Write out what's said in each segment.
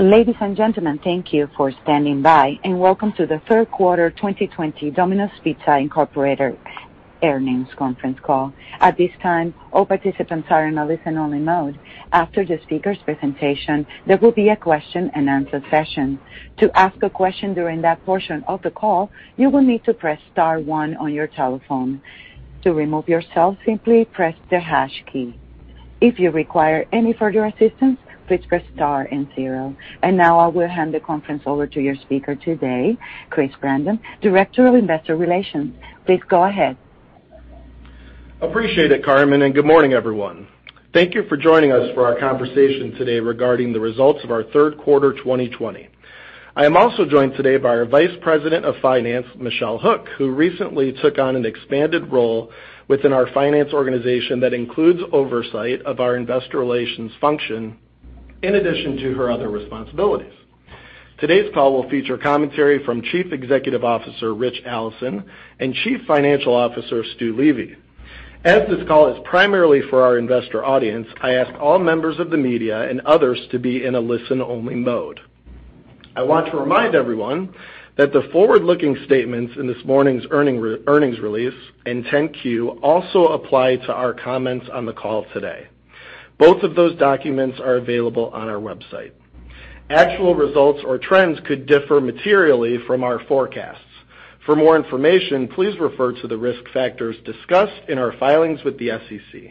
Ladies and gentlemen, thank you for standing by. Welcome to the third quarter 2020 Domino's Pizza, Inc. earnings conference call. At this time, all participants are in a listen-only mode. After the speakers' presentation, there will be a question and answer session. To ask a question during that portion of the call, you will need to press star one on your telephone. To remove yourself, simply press the hash key. If you require any further assistance, please press star and zero. Now I will hand the conference over to your speaker today, Chris Brandon, Director of Investor Relations. Please go ahead. Appreciate it, Carmen. Good morning, everyone. Thank you for joining us for our conversation today regarding the results of our third quarter 2020. I am also joined today by our Vice President of Finance, Michelle Hook, who recently took on an expanded role within our finance organization that includes oversight of our investor relations function in addition to her other responsibilities. Today's call will feature commentary from Chief Executive Officer Ritch Allison and Chief Financial Officer Stu Levy. As this call is primarily for our investor audience, I ask all members of the media and others to be in a listen-only mode. I want to remind everyone that the forward-looking statements in this morning's earnings release and 10-Q also apply to our comments on the call today. Both of those documents are available on our website. Actual results or trends could differ materially from our forecasts. For more information, please refer to the risk factors discussed in our filings with the SEC.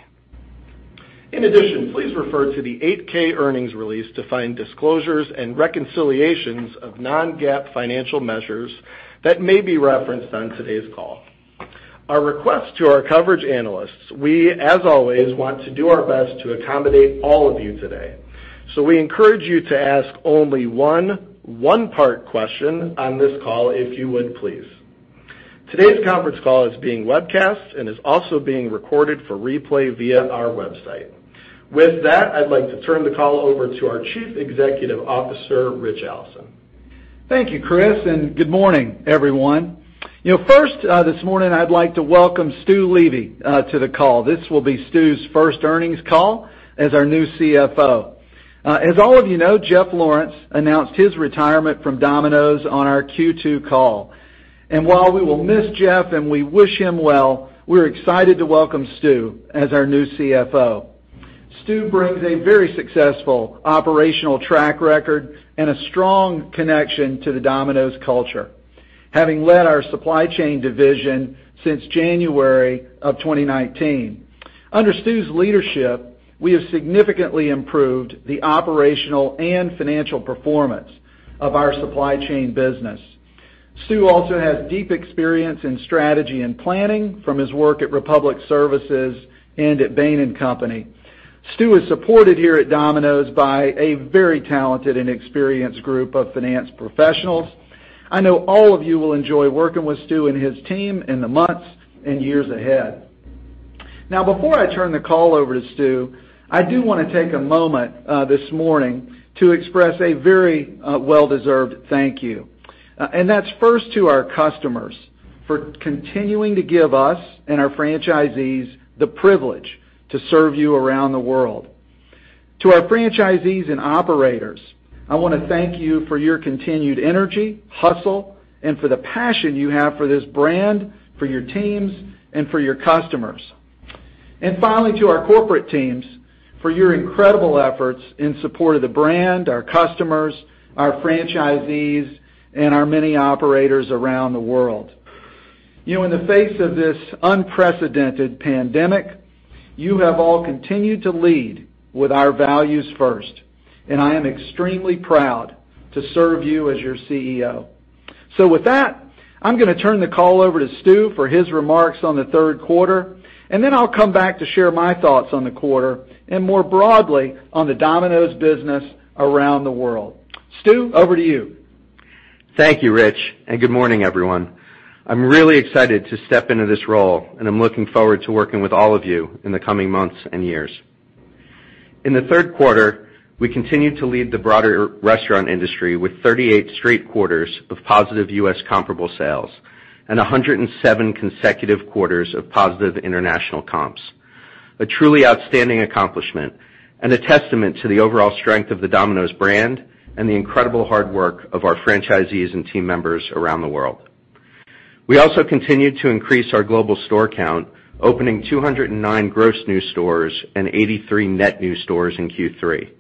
In addition, please refer to the 8-K earnings release to find disclosures and reconciliations of non-GAAP financial measures that may be referenced on today's call. A request to our coverage analysts, we, as always, want to do our best to accommodate all of you today. We encourage you to ask only one-part question on this call if you would, please. Today's conference call is being webcast and is also being recorded for replay via our website. With that, I'd like to turn the call over to our Chief Executive Officer, Ritch Allison. Thank you, Chris, and good morning, everyone. First, this morning, I'd like to welcome Stu Levy to the call. This will be Stu's first earnings call as our new CFO. As all of you know, Jeff Lawrence announced his retirement from Domino's on our Q2 call. While we will miss Jeff and we wish him well, we're excited to welcome Stu as our new CFO. Stu brings a very successful operational track record and a strong connection to the Domino's culture, having led our supply chain division since January of 2019. Under Stu's leadership, we have significantly improved the operational and financial performance of our supply chain business. Stu also has deep experience in strategy and planning from his work at Republic Services and at Bain & Company. Stu is supported here at Domino's by a very talented and experienced group of finance professionals. I know all of you will enjoy working with Stu and his team in the months and years ahead. Before I turn the call over to Stu, I do want to take a moment this morning to express a very well-deserved thank you. That's first to our customers for continuing to give us and our franchisees the privilege to serve you around the world. To our franchisees and operators, I want to thank you for your continued energy, hustle, and for the passion you have for this brand, for your teams, and for your customers. Finally, to our corporate teams, for your incredible efforts in support of the brand, our customers, our franchisees, and our many operators around the world. In the face of this unprecedented pandemic, you have all continued to lead with our values first, and I am extremely proud to serve you as your CEO. With that, I'm going to turn the call over to Stu for his remarks on the third quarter, and then I'll come back to share my thoughts on the quarter and more broadly on the Domino's business around the world. Stu, over to you. Thank you, Ritch, and good morning, everyone. I'm really excited to step into this role, and I'm looking forward to working with all of you in the coming months and years. In the third quarter, we continued to lead the broader restaurant industry with 38 straight quarters of positive U.S. comparable sales and 107 consecutive quarters of positive international comps. A truly outstanding accomplishment and a testament to the overall strength of the Domino's brand and the incredible hard work of our franchisees and team members around the world. We also continued to increase our global store count, opening 209 gross new stores and 83 net new stores in Q3.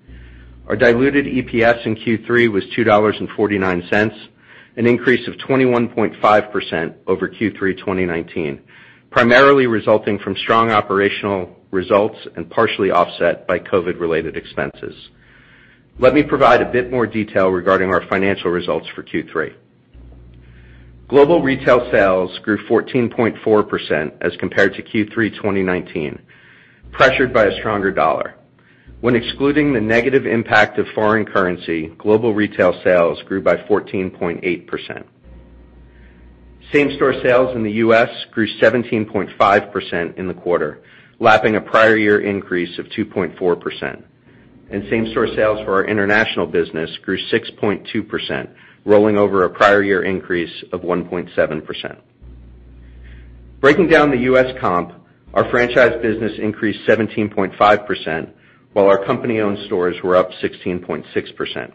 Our diluted EPS in Q3 was $2.49, an increase of 21.5% over Q3 2019, primarily resulting from strong operational results and partially offset by COVID-related expenses. Let me provide a bit more detail regarding our financial results for Q3. Global retail sales grew 14.4% as compared to Q3 2019, pressured by a stronger dollar. When excluding the negative impact of foreign currency, global retail sales grew by 14.8%. Same-store sales in the U.S. grew 17.5% in the quarter, lapping a prior year increase of 2.4%. Same-store sales for our international business grew 6.2%, rolling over a prior year increase of 1.7%. Breaking down the U.S. comp, our franchise business increased 17.5%, while our company-owned stores were up 16.6%.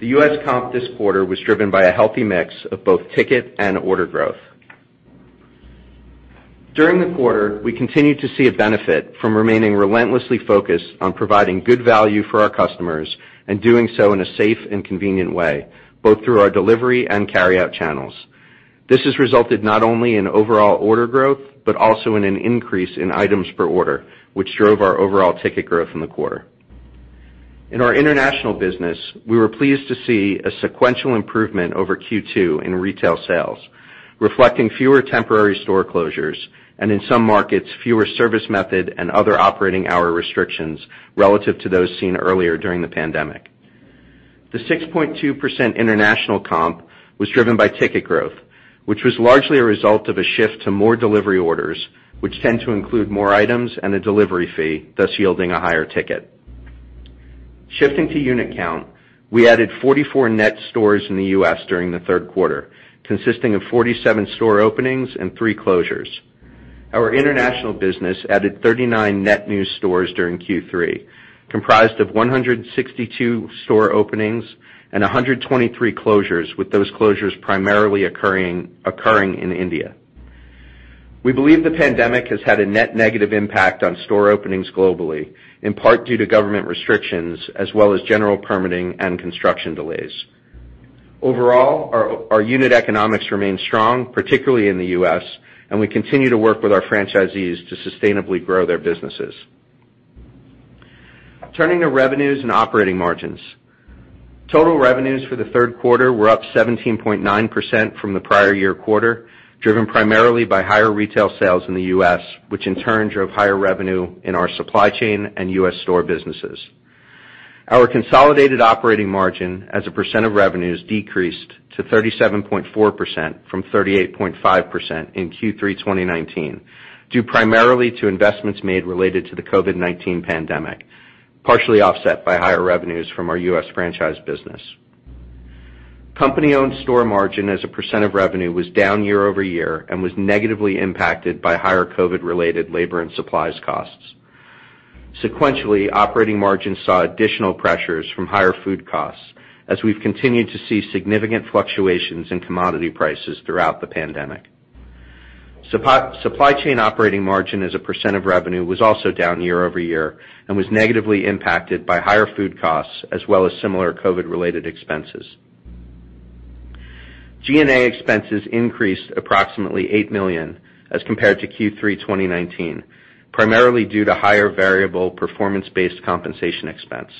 The U.S. comp this quarter was driven by a healthy mix of both ticket and order growth. During the quarter, we continued to see a benefit from remaining relentlessly focused on providing good value for our customers and doing so in a safe and convenient way, both through our delivery and carryout channels. This has resulted not only in overall order growth, but also in an increase in items per order, which drove our overall ticket growth in the quarter. In our international business, we were pleased to see a sequential improvement over Q2 in retail sales, reflecting fewer temporary store closures and, in some markets, fewer service method and other operating hour restrictions relative to those seen earlier during the pandemic. The 6.2% international comp was driven by ticket growth, which was largely a result of a shift to more delivery orders, which tend to include more items and a delivery fee, thus yielding a higher ticket. Shifting to unit count, we added 44 net stores in the U.S. during the third quarter, consisting of 47 store openings and three closures. Our international business added 39 net new stores during Q3, comprised of 162 store openings and 123 closures, with those closures primarily occurring in India. We believe the pandemic has had a net negative impact on store openings globally, in part due to government restrictions as well as general permitting and construction delays. Overall, our unit economics remain strong, particularly in the U.S., and we continue to work with our franchisees to sustainably grow their businesses. Turning to revenues and operating margins. Total revenues for the third quarter were up 17.9% from the prior year quarter, driven primarily by higher retail sales in the U.S., which in turn drove higher revenue in our supply chain and U.S. store businesses. Our consolidated operating margin as a percent of revenues decreased to 37.4% from 38.5% in Q3 2019, due primarily to investments made related to the COVID-19 pandemic, partially offset by higher revenues from our U.S. franchise business. Company-owned store margin as a percent of revenue was down year-over-year and was negatively impacted by higher COVID-related labor and supplies costs. Sequentially, operating margins saw additional pressures from higher food costs as we've continued to see significant fluctuations in commodity prices throughout the pandemic. Supply chain operating margin as a percent of revenue was also down year-over-year and was negatively impacted by higher food costs as well as similar COVID-related expenses. G&A expenses increased approximately $8 million as compared to Q3 2019, primarily due to higher variable performance-based compensation expense.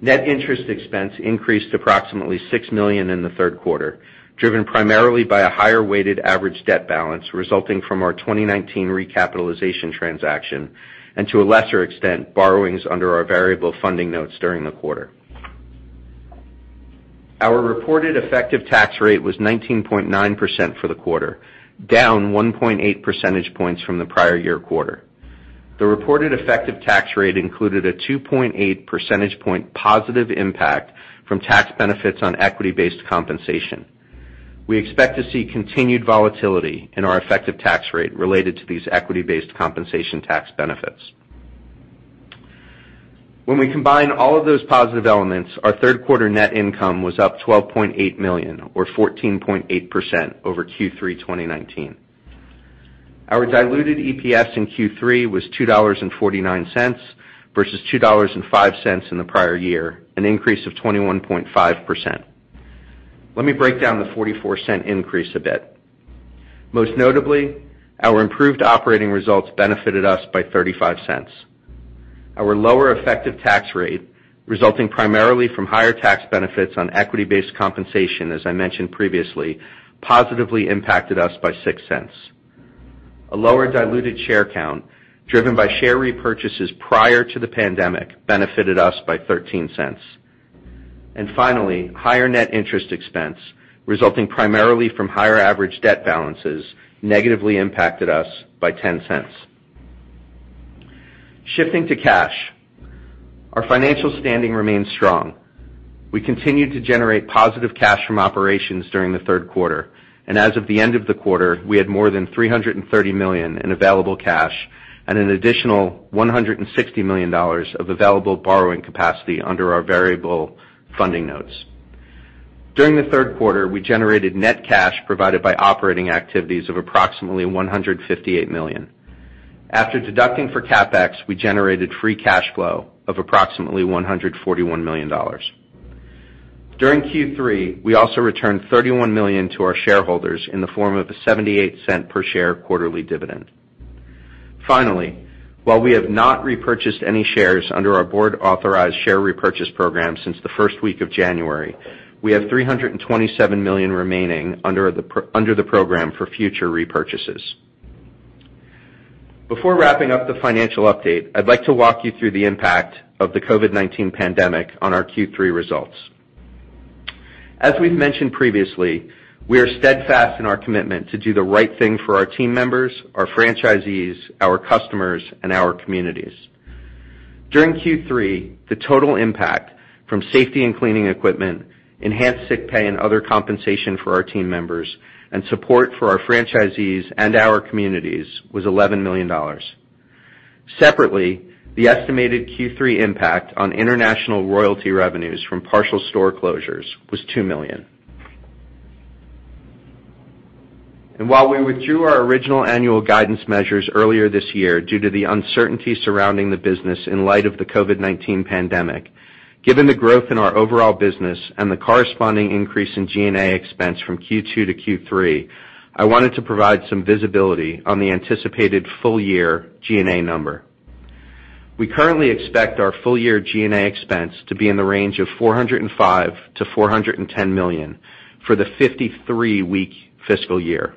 Net interest expense increased approximately $6 million in the third quarter, driven primarily by a higher weighted average debt balance resulting from our 2019 recapitalization transaction and, to a lesser extent, borrowings under our variable funding notes during the quarter. Our reported effective tax rate was 19.9% for the quarter, down 1.8 percentage points from the prior year quarter. The reported effective tax rate included a 2.8 percentage point positive impact from tax benefits on equity-based compensation. We expect to see continued volatility in our effective tax rate related to these equity-based compensation tax benefits. When we combine all of those positive elements, our third quarter net income was up $12.8 million, or 14.8%, over Q3 2019. Our diluted EPS in Q3 was $2.49 versus $2.05 in the prior year, an increase of 21.5%. Let me break down the $0.44 increase a bit. Most notably, our improved operating results benefited us by $0.35. Our lower effective tax rate, resulting primarily from higher tax benefits on equity-based compensation, as I mentioned previously, positively impacted us by $0.06. A lower diluted share count driven by share repurchases prior to the pandemic benefited us by $0.13. Finally, higher net interest expense resulting primarily from higher average debt balances negatively impacted us by $0.10. Shifting to cash. Our financial standing remains strong. We continued to generate positive cash from operations during the third quarter, and as of the end of the quarter, we had more than $330 million in available cash and an additional $160 million of available borrowing capacity under our variable funding notes. During the third quarter, we generated net cash provided by operating activities of approximately $158 million. After deducting for CapEx, we generated free cash flow of approximately $141 million. During Q3, we also returned $31 million to our shareholders in the form of a $0.78 per share quarterly dividend. While we have not repurchased any shares under our board-authorized share repurchase program since the first week of January, we have $327 million remaining under the program for future repurchases. Before wrapping up the financial update, I'd like to walk you through the impact of the COVID-19 pandemic on our Q3 results. As we've mentioned previously, we are steadfast in our commitment to do the right thing for our team members, our franchisees, our customers, and our communities. During Q3, the total impact from safety and cleaning equipment, enhanced sick pay and other compensation for our team members, and support for our franchisees and our communities was $11 million. Separately, the estimated Q3 impact on international royalty revenues from partial store closures was $2 million. While we withdrew our original annual guidance measures earlier this year due to the uncertainty surrounding the business in light of the COVID-19 pandemic, given the growth in our overall business and the corresponding increase in G&A expense from Q2 to Q3, I wanted to provide some visibility on the anticipated full year G&A number. We currently expect our full year G&A expense to be in the range of $405 million to $410 million for the 53-week fiscal year.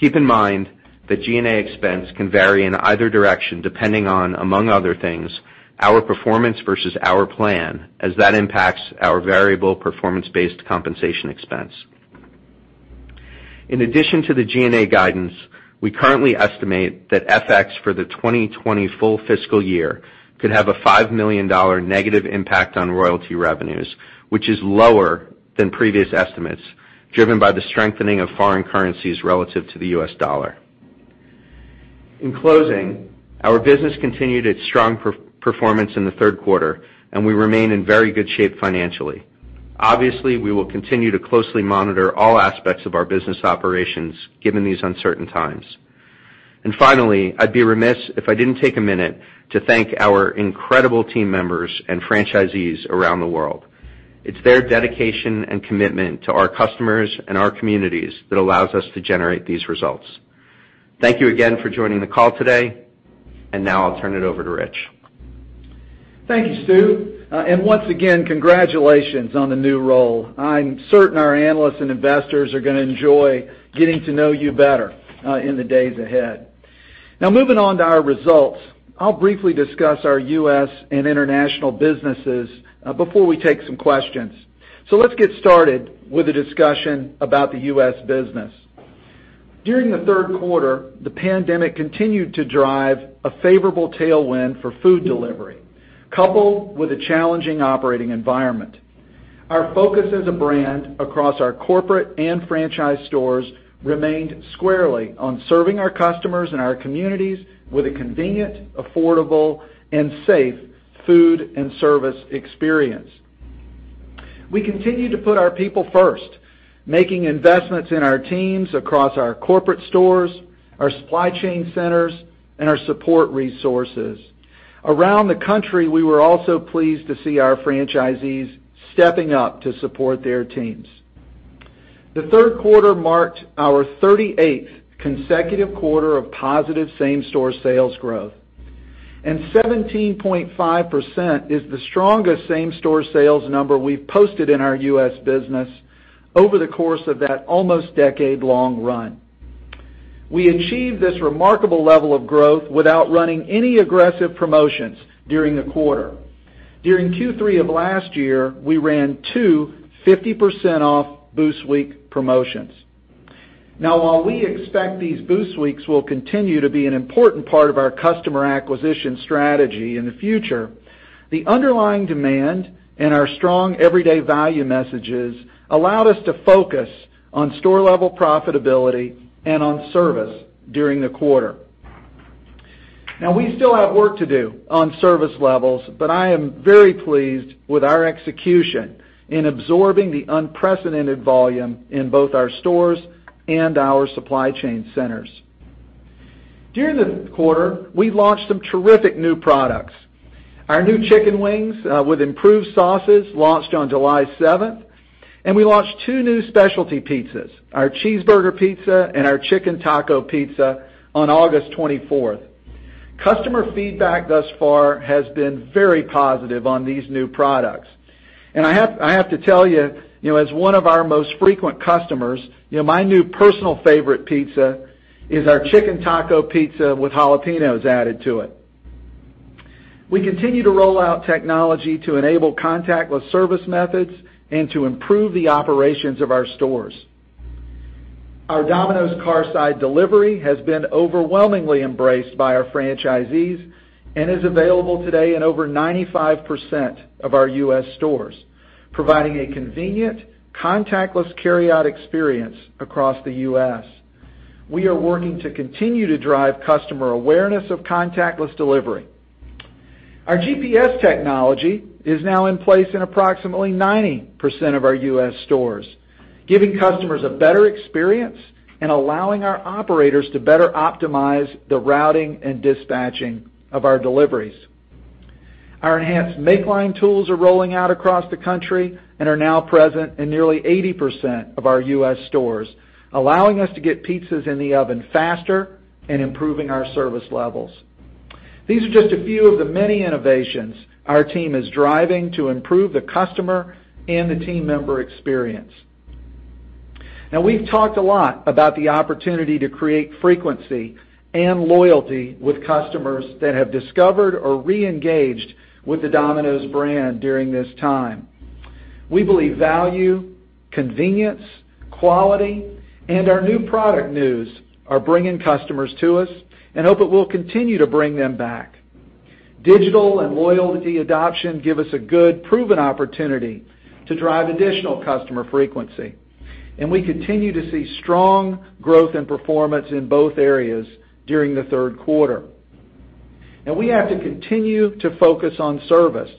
Keep in mind that G&A expense can vary in either direction depending on, among other things, our performance versus our plan, as that impacts our variable performance-based compensation expense. In addition to the G&A guidance, we currently estimate that FX for the 2020 full fiscal year could have a $5 million negative impact on royalty revenues, which is lower than previous estimates, driven by the strengthening of foreign currencies relative to the U.S. dollar. In closing, our business continued its strong performance in the third quarter. We remain in very good shape financially. Obviously, we will continue to closely monitor all aspects of our business operations, given these uncertain times. Finally, I'd be remiss if I didn't take a minute to thank our incredible team members and franchisees around the world. It's their dedication and commitment to our customers and our communities that allows us to generate these results. Thank you again for joining the call today. Now I'll turn it over to Ritch. Thank you, Stu. Once again, congratulations on the new role. I'm certain our analysts and investors are going to enjoy getting to know you better in the days ahead. Moving on to our results, I'll briefly discuss our U.S. and international businesses before we take some questions. Let's get started with a discussion about the U.S. business. During the third quarter, the pandemic continued to drive a favorable tailwind for food delivery, coupled with a challenging operating environment. Our focus as a brand across our corporate and franchise stores remained squarely on serving our customers and our communities with a convenient, affordable, and safe food and service experience. We continue to put our people first, making investments in our teams across our corporate stores, our supply chain centers, and our support resources. Around the country, we were also pleased to see our franchisees stepping up to support their teams. The third quarter marked our 38th consecutive quarter of positive same-store sales growth. 17.5% is the strongest same-store sales number we've posted in our U.S. business over the course of that almost decade-long run. We achieved this remarkable level of growth without running any aggressive promotions during the quarter. During Q3 of last year, we ran two 50% off Boost Week promotions. While we expect these Boost Weeks will continue to be an important part of our customer acquisition strategy in the future, the underlying demand and our strong everyday value messages allowed us to focus on store-level profitability and on service during the quarter. We still have work to do on service levels, but I am very pleased with our execution in absorbing the unprecedented volume in both our stores and our supply chain centers. During the quarter, we launched some terrific new products. Our new chicken wings with improved sauces launched on July 7th, and we launched two new specialty pizzas, our Cheeseburger Pizza and our Chicken Taco Pizza, on August 24th. Customer feedback thus far has been very positive on these new products. I have to tell you, as one of our most frequent customers, my new personal favorite pizza is our Chicken Taco Pizza with jalapenos added to it. We continue to roll out technology to enable contactless service methods and to improve the operations of our stores. Our Domino's Carside Delivery has been overwhelmingly embraced by our franchisees and is available today in over 95% of our U.S. stores, providing a convenient, contactless carryout experience across the U.S. We are working to continue to drive customer awareness of contactless delivery. Our GPS technology is now in place in approximately 90% of our U.S. stores, giving customers a better experience and allowing our operators to better optimize the routing and dispatching of our deliveries. Our enhanced make-line tools are rolling out across the country and are now present in nearly 80% of our U.S. stores, allowing us to get pizzas in the oven faster and improving our service levels. These are just a few of the many innovations our team is driving to improve the customer and the team member experience. We've talked a lot about the opportunity to create frequency and loyalty with customers that have discovered or re-engaged with the Domino's brand during this time. We believe value, convenience, quality, and our new product news are bringing customers to us and hope it will continue to bring them back. Digital and loyalty adoption give us a good, proven opportunity to drive additional customer frequency, and we continue to see strong growth and performance in both areas during the third quarter. We have to continue to focus on service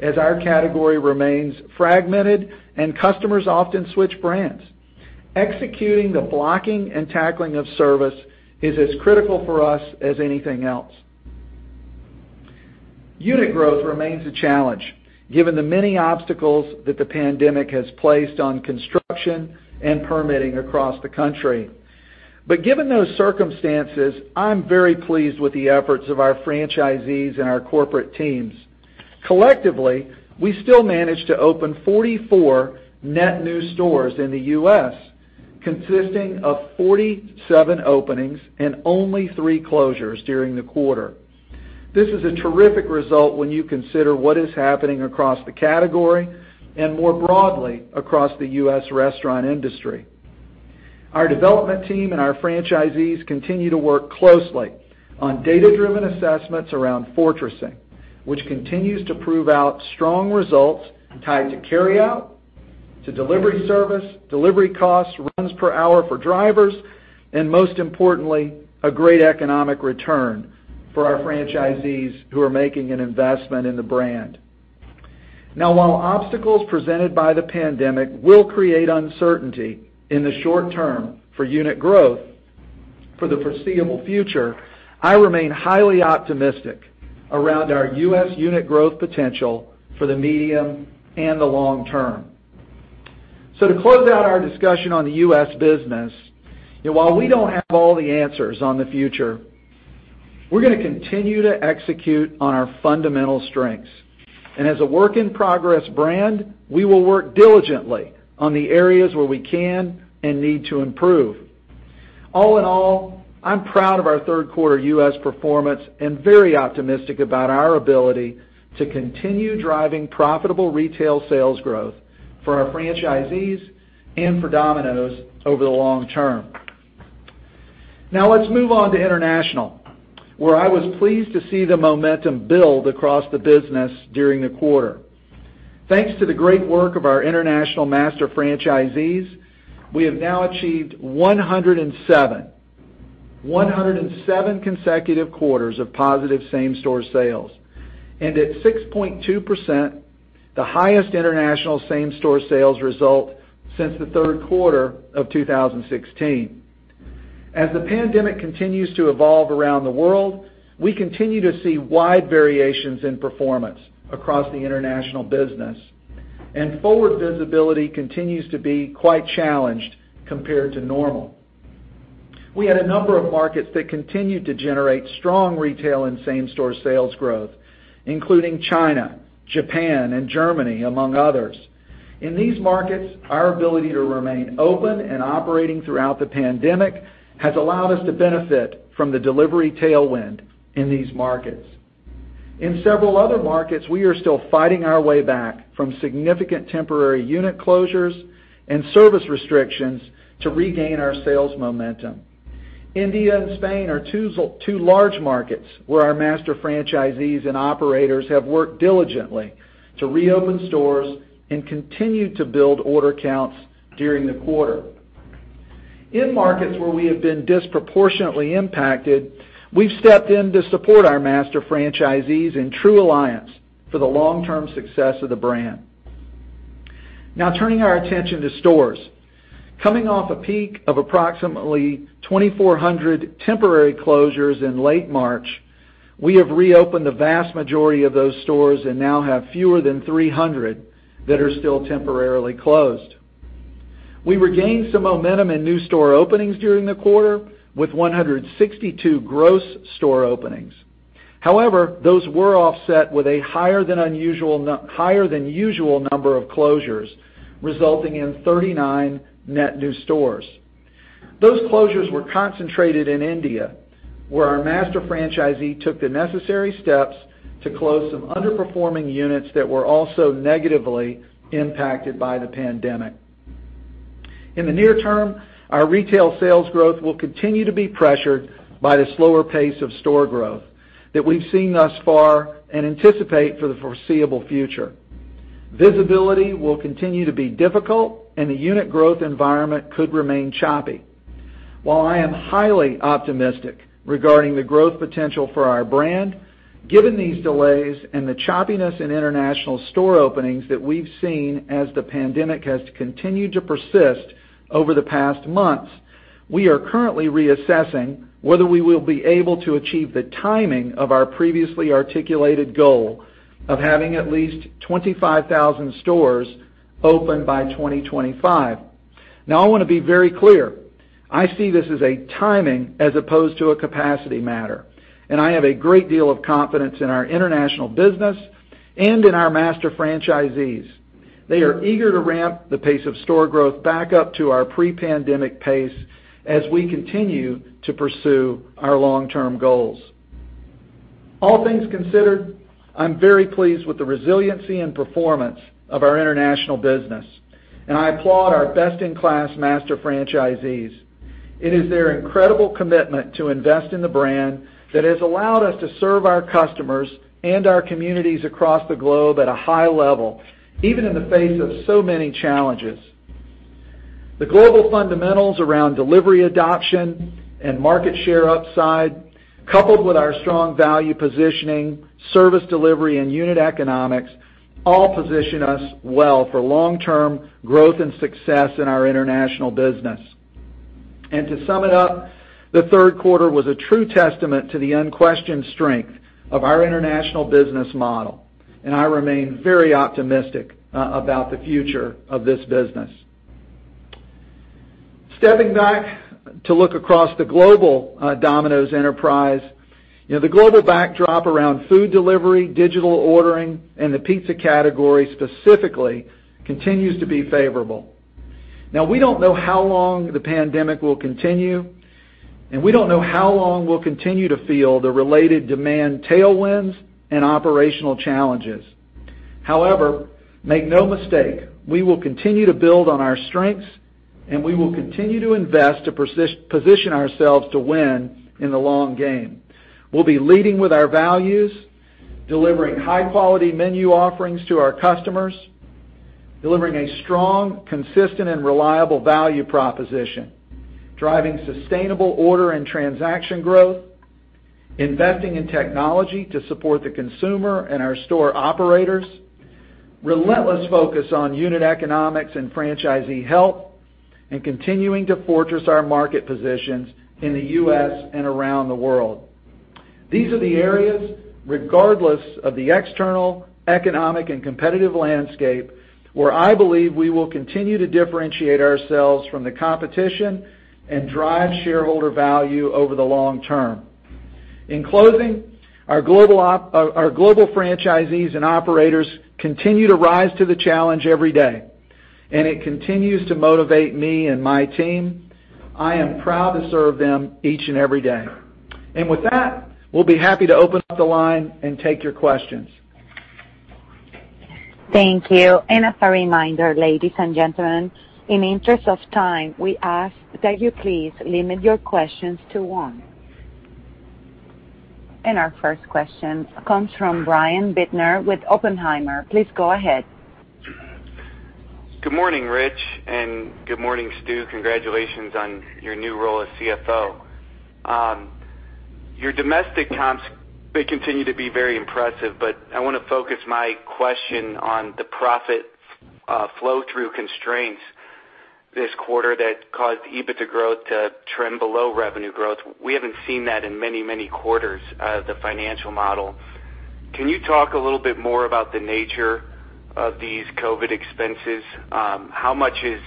as our category remains fragmented and customers often switch brands. Executing the blocking and tackling of service is as critical for us as anything else. Unit growth remains a challenge given the many obstacles that the pandemic has placed on construction and permitting across the country. Given those circumstances, I'm very pleased with the efforts of our franchisees and our corporate teams. Collectively, we still managed to open 44 net new stores in the U.S., consisting of 47 openings and only three closures during the quarter. This is a terrific result when you consider what is happening across the category and more broadly across the U.S. restaurant industry. Our development team and our franchisees continue to work closely on data-driven assessments around fortressing, which continues to prove out strong results tied to carryout, to delivery service, delivery costs, runs per hour for drivers, and most importantly, a great economic return for our franchisees who are making an investment in the brand. While obstacles presented by the pandemic will create uncertainty in the short term for unit growth for the foreseeable future, I remain highly optimistic around our U.S. unit growth potential for the medium and the long term. To close out our discussion on the U.S. business, while we don't have all the answers on the future, we're going to continue to execute on our fundamental strengths. As a work-in-progress brand, we will work diligently on the areas where we can and need to improve. All in all, I'm proud of our third quarter U.S. performance and very optimistic about our ability to continue driving profitable retail sales growth for our franchisees and for Domino's over the long term. Let's move on to international, where I was pleased to see the momentum build across the business during the quarter. Thanks to the great work of our international master franchisees, we have now achieved 107 consecutive quarters of positive same-store sales. And at 6.2%, the highest international same-store sales result since the third quarter of 2016. As the pandemic continues to evolve around the world, we continue to see wide variations in performance across the international business, and forward visibility continues to be quite challenged compared to normal. We had a number of markets that continued to generate strong retail and same-store sales growth, including China, Japan, and Germany, among others. In these markets, our ability to remain open and operating throughout the pandemic has allowed us to benefit from the delivery tailwind in these markets. In several other markets, we are still fighting our way back from significant temporary unit closures and service restrictions to regain our sales momentum. India and Spain are two large markets where our master franchisees and operators have worked diligently to reopen stores and continue to build order counts during the quarter. In markets where we have been disproportionately impacted, we've stepped in to support our master franchisees in true alliance for the long-term success of the brand. Turning our attention to stores. Coming off a peak of approximately 2,400 temporary closures in late March, we have reopened the vast majority of those stores and now have fewer than 300 that are still temporarily closed. We regained some momentum in new store openings during the quarter with 162 gross store openings. Those were offset with a higher than usual number of closures, resulting in 39 net new stores. Those closures were concentrated in India, where our master franchisee took the necessary steps to close some underperforming units that were also negatively impacted by the pandemic. In the near term, our retail sales growth will continue to be pressured by the slower pace of store growth that we've seen thus far and anticipate for the foreseeable future. Visibility will continue to be difficult and the unit growth environment could remain choppy. While I am highly optimistic regarding the growth potential for our brand, given these delays and the choppiness in international store openings that we've seen as the pandemic has continued to persist over the past months, we are currently reassessing whether we will be able to achieve the timing of our previously articulated goal of having at least 25,000 stores open by 2025. Now I want to be very clear, I see this as a timing as opposed to a capacity matter, and I have a great deal of confidence in our international business and in our master franchisees. They are eager to ramp the pace of store growth back up to our pre-pandemic pace as we continue to pursue our long-term goals. All things considered, I'm very pleased with the resiliency and performance of our international business, and I applaud our best-in-class master franchisees. It is their incredible commitment to invest in the brand that has allowed us to serve our customers and our communities across the globe at a high level, even in the face of so many challenges. The global fundamentals around delivery adoption and market share upside, coupled with our strong value positioning, service delivery, and unit economics, all position us well for long-term growth and success in our international business. To sum it up, the third quarter was a true testament to the unquestioned strength of our international business model, and I remain very optimistic about the future of this business. Stepping back to look across the global Domino's enterprise, the global backdrop around food delivery, digital ordering, and the pizza category specifically, continues to be favorable. We don't know how long the pandemic will continue, and we don't know how long we'll continue to feel the related demand tailwinds and operational challenges. Make no mistake, we will continue to build on our strengths, and we will continue to invest to position ourselves to win in the long game. We'll be leading with our values, delivering high-quality menu offerings to our customers, delivering a strong, consistent, and reliable value proposition, driving sustainable order and transaction growth, investing in technology to support the consumer and our store operators, relentless focus on unit economics and franchisee health, and continuing to fortress our market positions in the U.S. and around the world. These are the areas, regardless of the external economic and competitive landscape, where I believe we will continue to differentiate ourselves from the competition and drive shareholder value over the long term. In closing, our global franchisees and operators continue to rise to the challenge every day, and it continues to motivate me and my team. I am proud to serve them each and every day. With that, we'll be happy to open up the line and take your questions. Thank you. As a reminder, ladies and gentlemen, in the interest of time, we ask that you please limit your questions to one. Our first question comes from Brian Bittner with Oppenheimer. Please go ahead. Good morning, Ritch, and good morning, Stu. Congratulations on your new role as CFO. Your domestic comps, they continue to be very impressive, but I want to focus my question on the profit flow-through constraints this quarter that caused EBITDA growth to trend below revenue growth. We haven't seen that in many, many quarters of the financial model. Can you talk a little bit more about the nature of these COVID expenses? How much is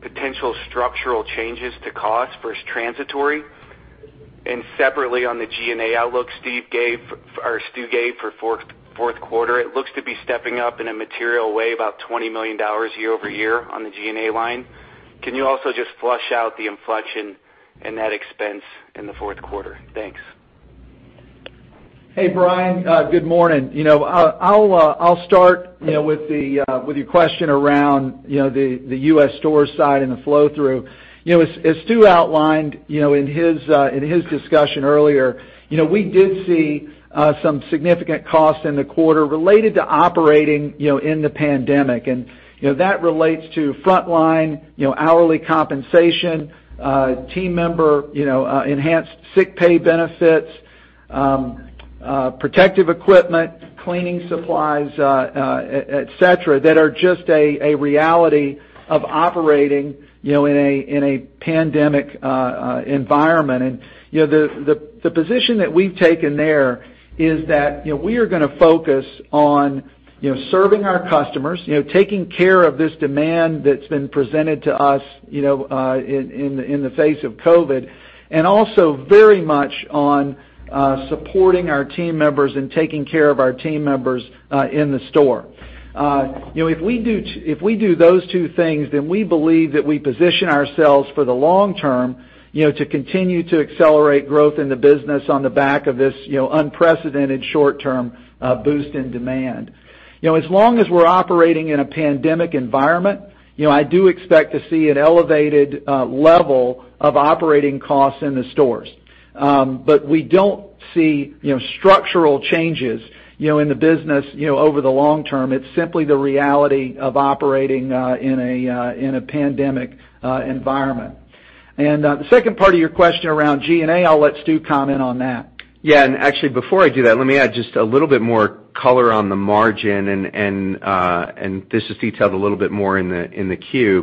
potential structural changes to cost versus transitory? Separately, on the G&A outlook Stu gave for fourth quarter, it looks to be stepping up in a material way, about $20 million year-over-year on the G&A line. Can you also just flush out the inflection in that expense in the fourth quarter? Thanks. Hey, Brian. Good morning. I'll start with your question around the U.S. store side and the flow-through. As Stu outlined in his discussion earlier, we did see some significant costs in the quarter related to operating in the pandemic. That relates to frontline hourly compensation, team member enhanced sick pay benefits, protective equipment, cleaning supplies, et cetera, that are just a reality of operating in a pandemic environment. The position that we've taken there is that we are going to focus on serving our customers, taking care of this demand that's been presented to us in the face of COVID, and also very much on supporting our team members and taking care of our team members in the store. If we do those two things, then we believe that we position ourselves for the long term to continue to accelerate growth in the business on the back of this unprecedented short-term boost in demand. As long as we're operating in a pandemic environment, I do expect to see an elevated level of operating costs in the stores. We don't see structural changes in the business over the long term. It's simply the reality of operating in a pandemic environment. The second part of your question around G&A, I'll let Stu comment on that. Yeah, actually, before I do that, let me add just a little bit more color on the margin. This is detailed a little bit more in the Q.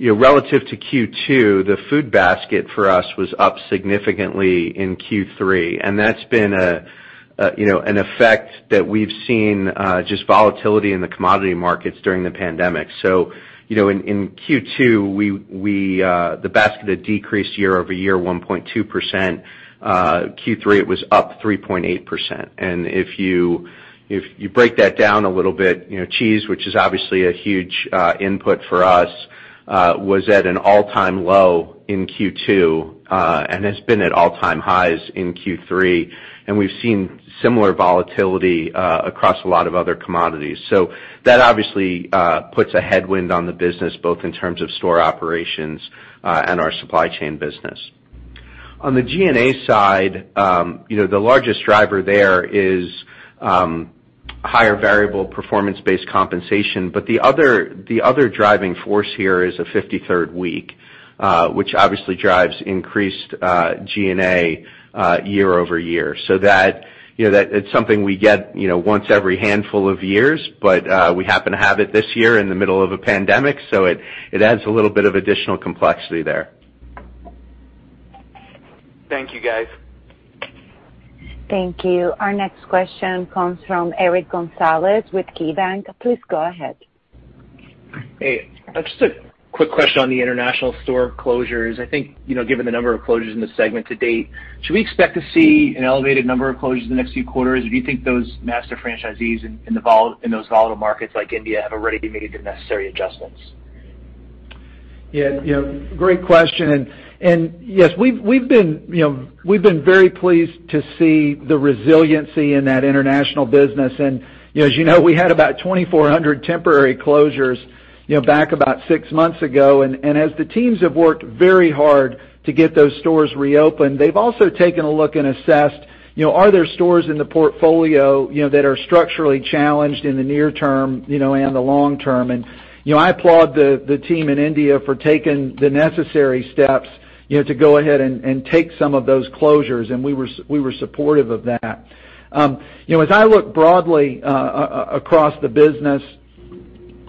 Relative to Q2, the food basket for us was up significantly in Q3. That's been an effect that we've seen just volatility in the commodity markets during the pandemic. In Q2, the basket had decreased year-over-year 1.2%. Q3, it was up 3.8%. If you break that down a little bit, cheese, which is obviously a huge input for us, was at an all-time low in Q2, has been at all-time highs in Q3. We've seen similar volatility across a lot of other commodities. That obviously puts a headwind on the business, both in terms of store operations and our supply chain business. On the G&A side, the largest driver there is higher variable performance-based compensation. The other driving force here is a 53rd week, which obviously drives increased G&A year-over-year. It's something we get once every handful of years, but we happen to have it this year in the middle of a pandemic, so it adds a little bit of additional complexity there. Thank you, guys. Thank you. Our next question comes from Eric Gonzalez with KeyBanc. Please go ahead. Hey. Just a quick question on the international store closures. I think, given the number of closures in the segment to date, should we expect to see an elevated number of closures in the next few quarters, or do you think those master franchisees in those volatile markets like India have already made the necessary adjustments? Yeah. Great question, yes, we've been very pleased to see the resiliency in that international business. As you know, we had about 2,400 temporary closures back about six months ago. As the teams have worked very hard to get those stores reopened, they've also taken a look and assessed, are there stores in the portfolio that are structurally challenged in the near term and the long term? I applaud the team in India for taking the necessary steps to go ahead and take some of those closures. We were supportive of that. As I look broadly across the business,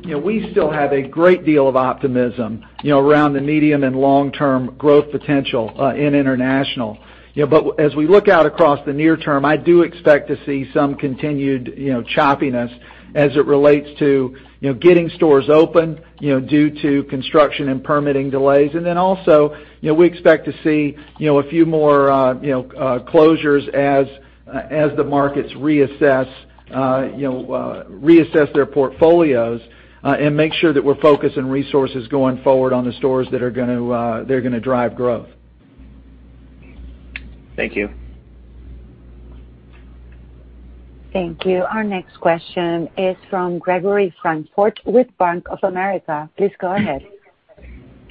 we still have a great deal of optimism around the medium and long-term growth potential in international. As we look out across the near term, I do expect to see some continued choppiness as it relates to getting stores open due to construction and permitting delays. Also, we expect to see a few more closures as the markets reassess their portfolios and make sure that we're focused on resources going forward on the stores that are going to drive growth. Thank you. Thank you. Our next question is from Gregory Francfort with Bank of America. Please go ahead.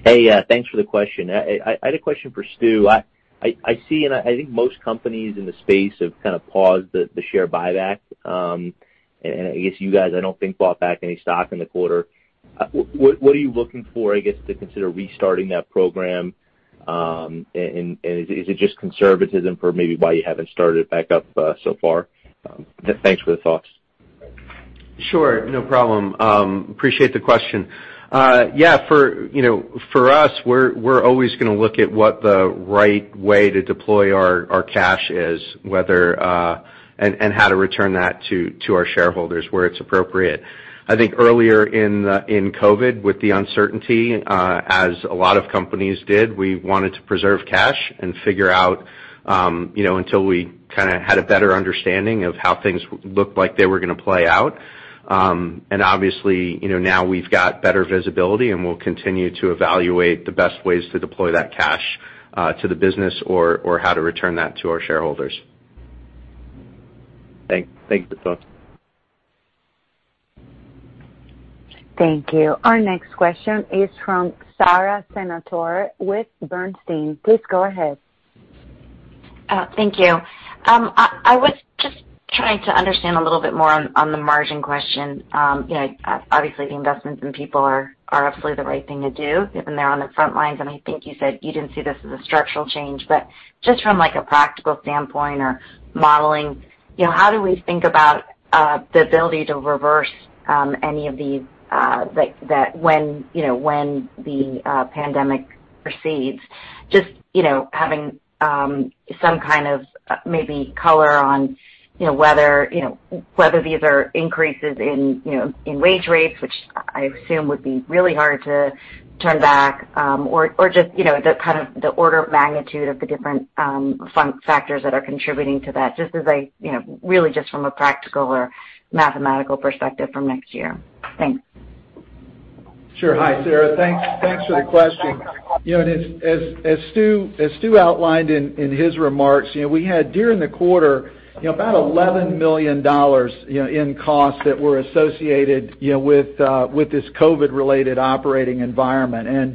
Hey. Thanks for the question. I had a question for Stu. I see, and I think most companies in the space have kind of paused the share buyback. I guess you guys, I don't think bought back any stock in the quarter. What are you looking for, I guess, to consider restarting that program? Is it just conservatism for maybe why you haven't started back up so far? Thanks for the thoughts. Sure. No problem. Appreciate the question. Yeah, for us, we're always going to look at what the right way to deploy our cash is, and how to return that to our shareholders where it's appropriate. I think earlier in COVID, with the uncertainty, as a lot of companies did, we wanted to preserve cash and figure out until we kind of had a better understanding of how things looked like they were going to play out. Obviously, now we've got better visibility, and we'll continue to evaluate the best ways to deploy that cash to the business or how to return that to our shareholders. Thanks. Thanks for the thoughts. Thank you. Our next question is from Sara Senatore with Bernstein. Please go ahead. Thank you. I was just trying to understand a little bit more on the margin question. Obviously, the investments in people are absolutely the right thing to do, given they're on the front lines, and I think you said you didn't see this as a structural change. Just from, like, a practical standpoint or modeling, how do we think about the ability to reverse any of these when the pandemic recedes? Just having some kind of maybe color on whether these are increases in wage rates, which I assume would be really hard to turn back, or just the kind of the order of magnitude of the different factors that are contributing to that, just as a just from a practical or mathematical perspective for next year. Thanks. Sure. Hi, Sara. Thanks for the question. As Stu outlined in his remarks, we had during the quarter, about $11 million in costs that were associated with this COVID-related operating environment.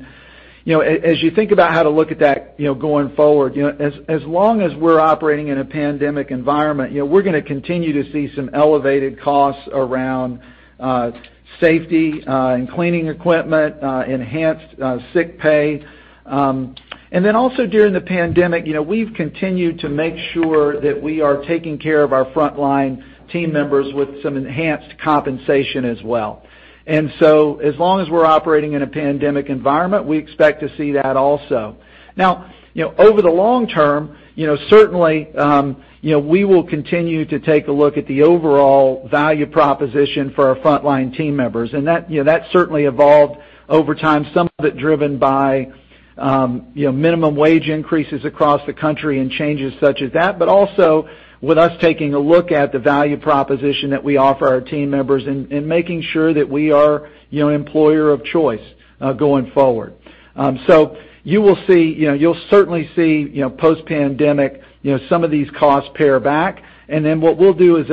As you think about how to look at that going forward, as long as we're operating in a pandemic environment, we're going to continue to see some elevated costs around safety and cleaning equipment, enhanced sick pay. Also during the pandemic, we've continued to make sure that we are taking care of our frontline team members with some enhanced compensation as well. As long as we're operating in a pandemic environment, we expect to see that also. Now, over the long term, certainly, we will continue to take a look at the overall value proposition for our frontline team members. That certainly evolved over time, some of it driven by minimum wage increases across the country and changes such as that. Also with us taking a look at the value proposition that we offer our team members and making sure that we are employer of choice going forward. You'll certainly see, post-pandemic, some of these costs pare back, and then what we'll do as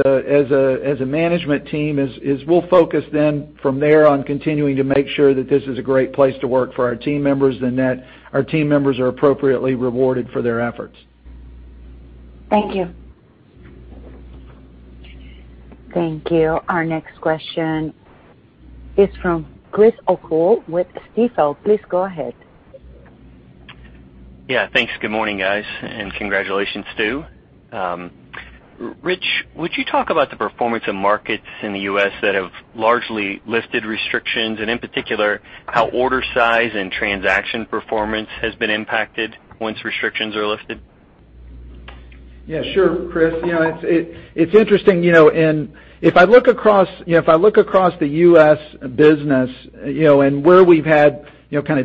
a management team is we'll focus then from there on continuing to make sure that this is a great place to work for our team members and that our team members are appropriately rewarded for their efforts. Thank you. Thank you. Our next question is from Chris O'Cull with Stifel. Please go ahead. Yeah. Thanks. Good morning, guys, and congratulations, Stu. Ritch, would you talk about the performance of markets in the U.S. that have largely lifted restrictions, and in particular, how order size and transaction performance has been impacted once restrictions are lifted? Yeah, sure, Chris. It's interesting. If I look across the U.S. business, and where we've had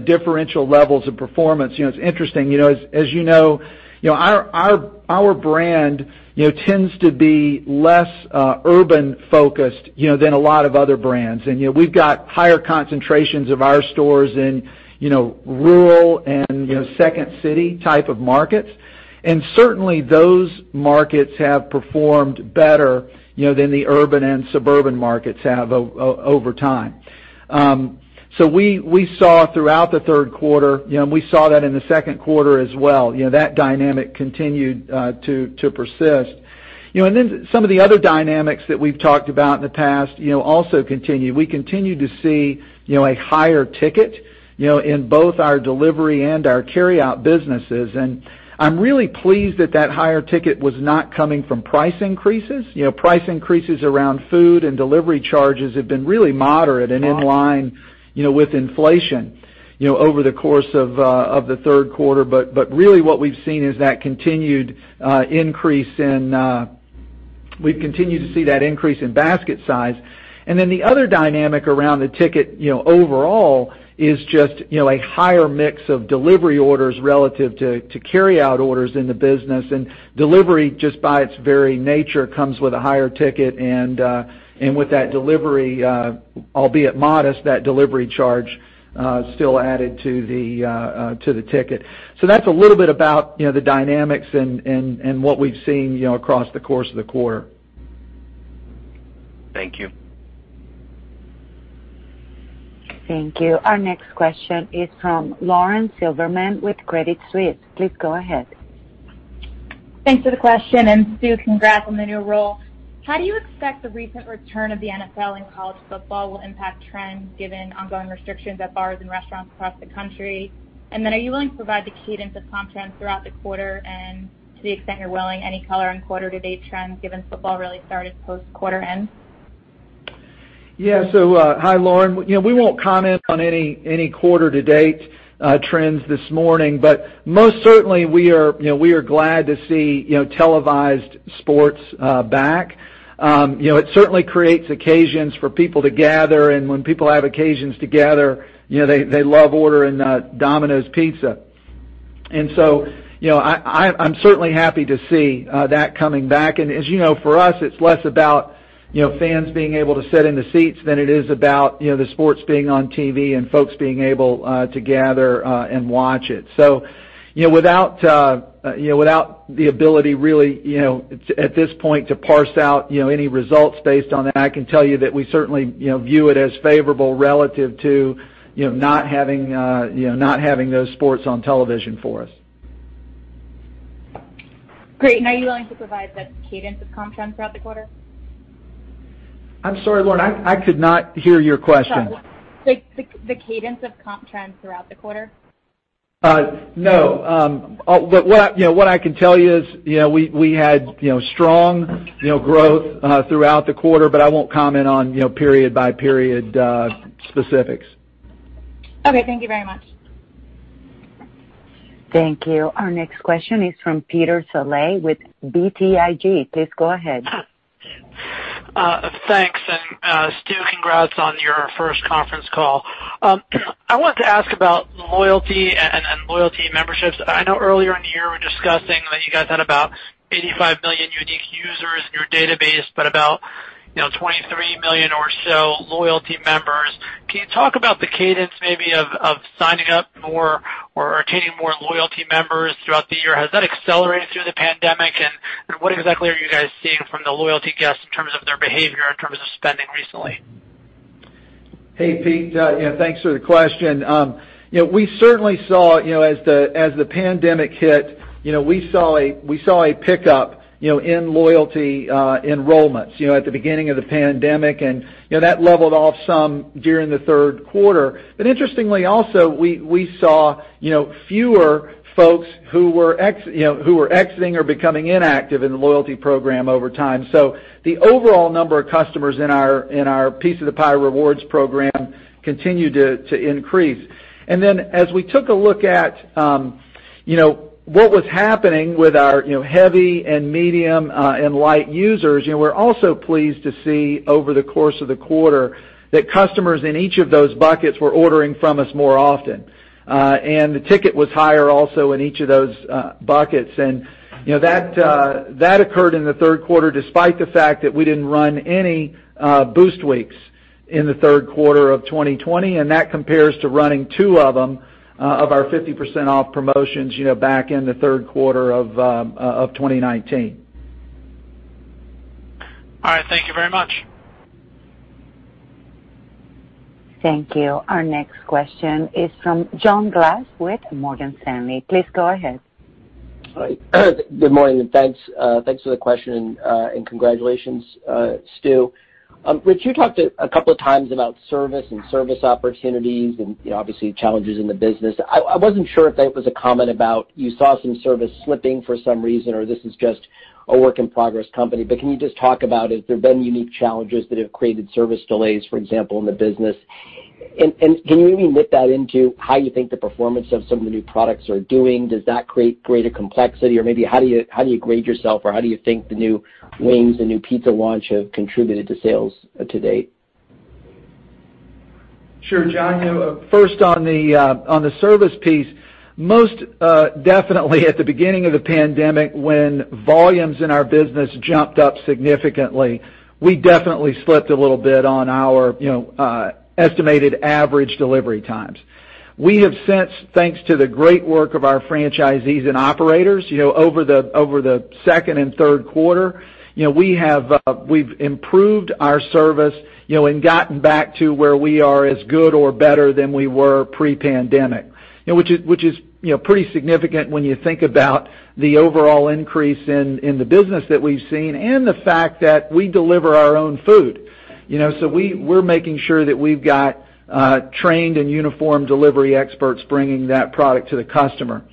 differential levels of performance, it's interesting. As you know, our brand tends to be less urban focused than a lot of other brands. We've got higher concentrations of our stores in rural and second city type of markets. Certainly, those markets have performed better than the urban and suburban markets have over time. We saw throughout the third quarter, and we saw that in the second quarter as well, that dynamic continued to persist. Then some of the other dynamics that we've talked about in the past also continue. We continue to see a higher ticket in both our delivery and our carryout businesses, and I'm really pleased that that higher ticket was not coming from price increases. Price increases around food and delivery charges have been really moderate and in line with inflation over the course of the third quarter. Really what we've seen is that continued increase in basket size. The other dynamic around the ticket overall is just a higher mix of delivery orders relative to carryout orders in the business. Delivery, just by its very nature, comes with a higher ticket, and with that delivery, albeit modest, that delivery charge still added to the ticket. That's a little bit about the dynamics and what we've seen across the course of the quarter. Thank you. Thank you. Our next question is from Lauren Silberman with Credit Suisse. Please go ahead. Thanks for the question, and Stu, congrats on the new role. How do you expect the recent return of the NFL and College football will impact trends given ongoing restrictions at bars and restaurants across the country? Are you willing to provide the cadence of comp trends throughout the quarter? To the extent you're willing, any color on quarter to date trends given football really started post quarter end? Yeah. Hi, Lauren. We won't comment on any quarter to date trends this morning, but most certainly, we are glad to see televised sports back. It certainly creates occasions for people to gather, and when people have occasions to gather, they love ordering Domino's Pizza. I'm certainly happy to see that coming back. As you know, for us, it's less about fans being able to sit in the seats than it is about the sports being on TV and folks being able to gather and watch it. Without the ability really at this point to parse out any results based on that, I can tell you that we certainly view it as favorable relative to not having those sports on television for us. Great. Are you willing to provide the cadence of comp trends throughout the quarter? I'm sorry, Lauren. I could not hear your question. Sorry. The cadence of comp trends throughout the quarter. No. What I can tell you is we had strong growth throughout the quarter, but I won't comment on period by period specifics. Okay. Thank you very much. Thank you. Our next question is from Peter Saleh with BTIG. Please go ahead. Thanks. Stu, congrats on your first conference call. I wanted to ask about loyalty and loyalty memberships. I know earlier in the year we're discussing that you guys had about 85 million unique users in your database, but about 23 million or so loyalty members. Can you talk about the cadence maybe of signing up more or attaining more loyalty members throughout the year? Has that accelerated through the pandemic? What exactly are you guys seeing from the loyalty guests in terms of their behavior, in terms of spending recently? Hey, Pete. Thanks for the question. We certainly saw as the pandemic hit, we saw a pickup in loyalty enrollments at the beginning of the pandemic, and that leveled off some during the third quarter. Interestingly also, we saw fewer folks who were exiting or becoming inactive in the loyalty program over time. The overall number of customers in our Piece of the Pie Rewards program continued to increase. As we took a look at what was happening with our heavy and medium and light users, we're also pleased to see over the course of the quarter that customers in each of those buckets were ordering from us more often. The ticket was higher also in each of those buckets. That occurred in the third quarter despite the fact that we didn't run any Boost Weeks in the third quarter of 2020, and that compares to running two of them of our 50% off promotions back in the third quarter of 2019. All right. Thank you very much. Thank you. Our next question is from John Glass with Morgan Stanley. Please go ahead. Good morning. Thanks for the question, and congratulations, Stu. Ritch, you talked a couple of times about service and service opportunities and obviously challenges in the business. I wasn't sure if that was a comment about you saw some service slipping for some reason, or this is just a work in progress company, but can you just talk about, have there been unique challenges that have created service delays, for example, in the business? Can you even knit that into how you think the performance of some of the new products are doing? Does that create greater complexity? Maybe how do you grade yourself, or how do you think the new wings, the new pizza launch have contributed to sales to date? Sure, John. First on the service piece. Most definitely at the beginning of the pandemic, when volumes in our business jumped up significantly, we definitely slipped a little bit on our estimated average delivery times. We have since, thanks to the great work of our franchisees and operators over the second and third quarter, we've improved our service and gotten back to where we are as good or better than we were pre-pandemic. Which is pretty significant when you think about the overall increase in the business that we've seen and the fact that we deliver our own food. We're making sure that we've got trained and uniformed delivery experts bringing that product to the customer.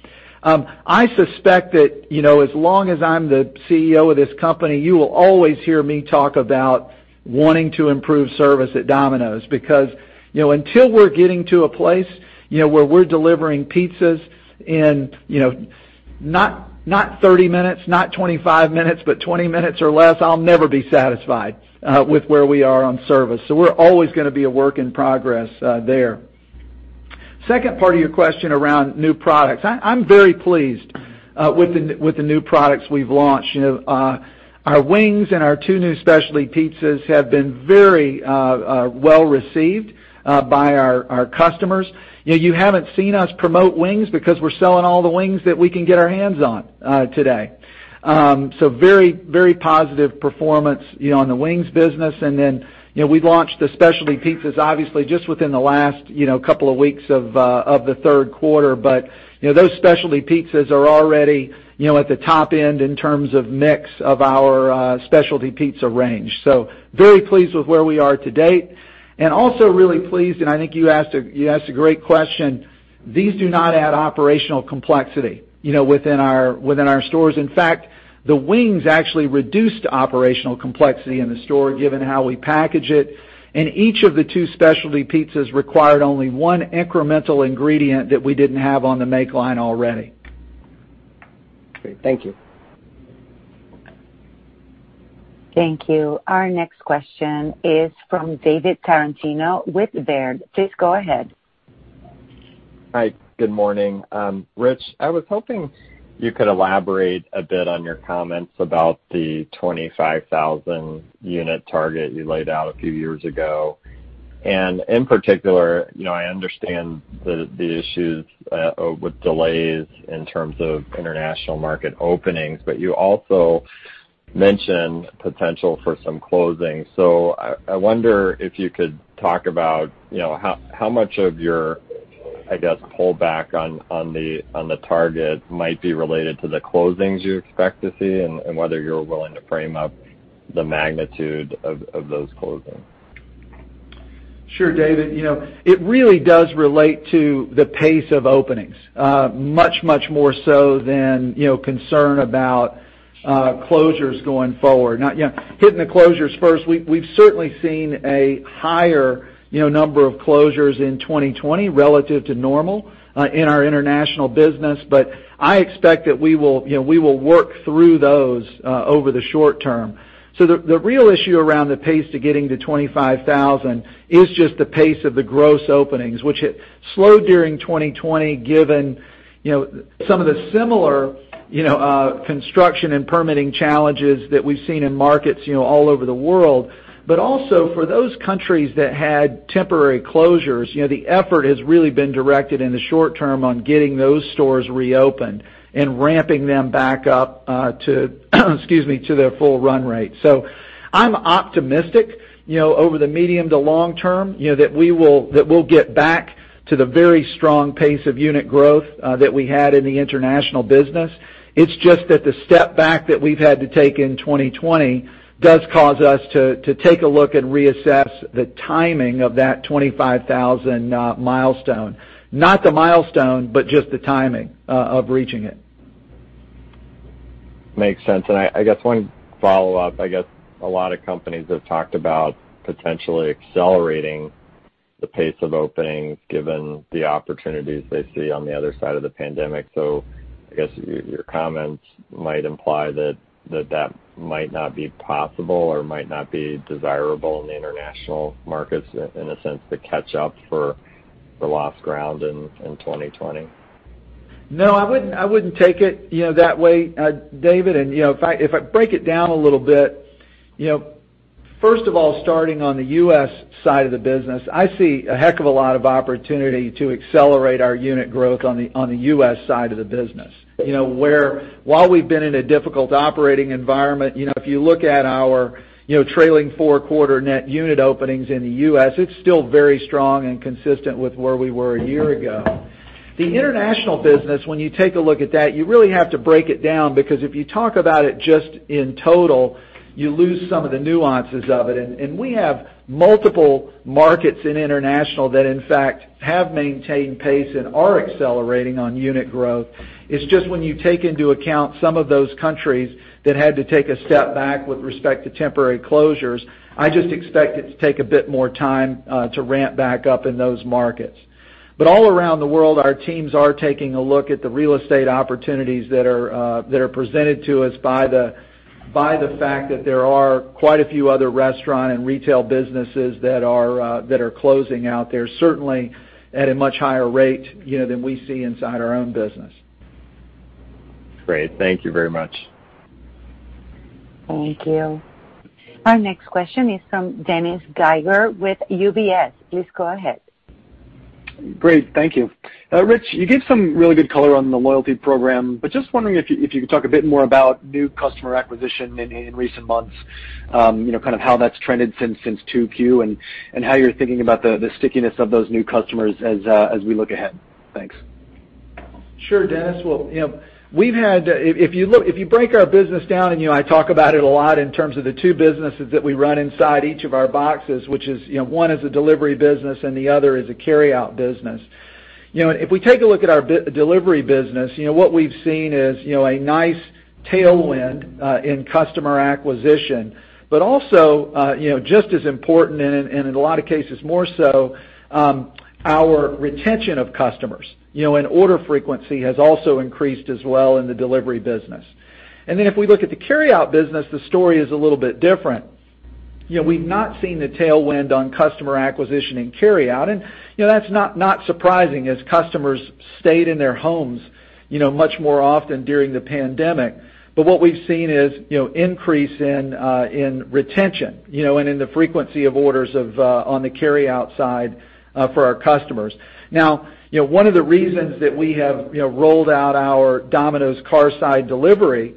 I suspect that as long as I'm the CEO of this company, you will always hear me talk about wanting to improve service at Domino's. Until we're getting to a place where we're delivering pizzas in not 30 minutes, not 25 minutes, but 20 minutes or less, I'll never be satisfied with where we are on service. We're always going to be a work in progress there. Second part of your question around new products. I'm very pleased with the new products we've launched. Our wings and our two new specialty pizzas have been very well received by our customers. You haven't seen us promote wings because we're selling all the wings that we can get our hands on today. Very positive performance in the wings business. We launched the specialty pizzas, obviously, just within the last couple of weeks of the third quarter. Those specialty pizzas are already at the top end in terms of mix of our specialty pizza range. Very pleased with where we are to date and also really pleased, and I think you asked a great question. These do not add operational complexity within our stores. In fact, the wings actually reduced operational complexity in the store, given how we package it. Each of the two specialty pizzas required only one incremental ingredient that we didn't have on the make line already. Great. Thank you. Thank you. Our next question is from David Tarantino with Baird. Please go ahead. Hi, good morning. Ritch, I was hoping you could elaborate a bit on your comments about the 25,000 unit target you laid out a few years ago. In particular, I understand the issues with delays in terms of international market openings, but you also mentioned potential for some closings. I wonder if you could talk about how much of your, I guess, pull back on the target might be related to the closings you expect to see and whether you're willing to frame up the magnitude of those closings. Sure, David. It really does relate to the pace of openings much more so than concern about closures going forward. Hitting the closures first, we've certainly seen a higher number of closures in 2020 relative to normal in our international business. I expect that we will work through those over the short term. The real issue around the pace to getting to 25,000 is just the pace of the gross openings. Which slowed during 2020 given some of the similar construction and permitting challenges that we've seen in markets all over the world. Also for those countries that had temporary closures, the effort has really been directed in the short term on getting those stores reopened and ramping them back up to their full run rate. I'm optimistic over the medium to long term that we'll get back to the very strong pace of unit growth that we had in the international business. It's just that the step back that we've had to take in 2020 does cause us to take a look and reassess the timing of that 25,000 milestone. Not the milestone, but just the timing of reaching it. Makes sense. I guess one follow-up, I guess a lot of companies have talked about potentially accelerating the pace of openings given the opportunities they see on the other side of the pandemic. I guess your comments might imply that that might not be possible or might not be desirable in the international markets, in a sense, to catch up for lost ground in 2020. No, I wouldn't take it that way, David. If I break it down a little bit, first of all, starting on the U.S. side of the business, I see a heck of a lot of opportunity to accelerate our unit growth on the U.S. side of the business. Where while we've been in a difficult operating environment, if you look at our trailing four quarter net unit openings in the U.S., it's still very strong and consistent with where we were a year ago. The international business, when you take a look at that, you really have to break it down, because if you talk about it just in total, you lose some of the nuances of it. We have multiple markets in international that, in fact, have maintained pace and are accelerating on unit growth. It's just when you take into account some of those countries that had to take a step back with respect to temporary closures, I just expect it to take a bit more time to ramp back up in those markets. All around the world, our teams are taking a look at the real estate opportunities that are presented to us by the fact that there are quite a few other restaurant and retail businesses that are closing out there, certainly at a much higher rate than we see inside our own business. Great. Thank you very much. Thank you. Our next question is from Dennis Geiger with UBS. Please go ahead. Great. Thank you. Ritch, you gave some really good color on the loyalty program, but just wondering if you could talk a bit more about new customer acquisition in recent months, kind of how that's trended since 2Q and how you're thinking about the stickiness of those new customers as we look ahead? Thanks. Sure, Dennis. If you break our business down, and I talk about it a lot in terms of the two businesses that we run inside each of our boxes, which is one is a delivery business and the other is a carryout business. If we take a look at our delivery business, what we've seen is a nice tailwind in customer acquisition, but also just as important, and in a lot of cases more so, our retention of customers, and order frequency has also increased as well in the delivery business. If we look at the carryout business, the story is a little bit different. We've not seen the tailwind on customer acquisition in carryout, and that's not surprising as customers stayed in their homes much more often during the pandemic. What we've seen is increase in retention, and in the frequency of orders on the carryout side for our customers. One of the reasons that we have rolled out our Domino's Carside Delivery,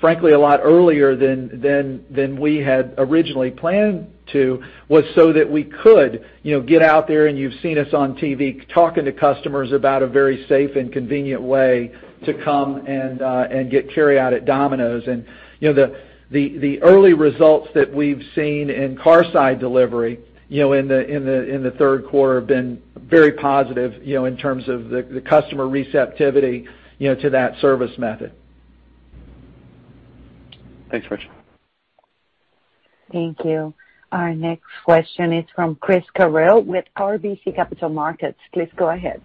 frankly, a lot earlier than we had originally planned to, was so that we could get out there, and you've seen us on TV talking to customers about a very safe and convenient way to come and get carryout at Domino's. The early results that we've seen in Carside Delivery in the third quarter have been very positive in terms of the customer receptivity to that service method. Thanks, Ritch. Thank you. Our next question is from Chris Carril with RBC Capital Markets. Please go ahead.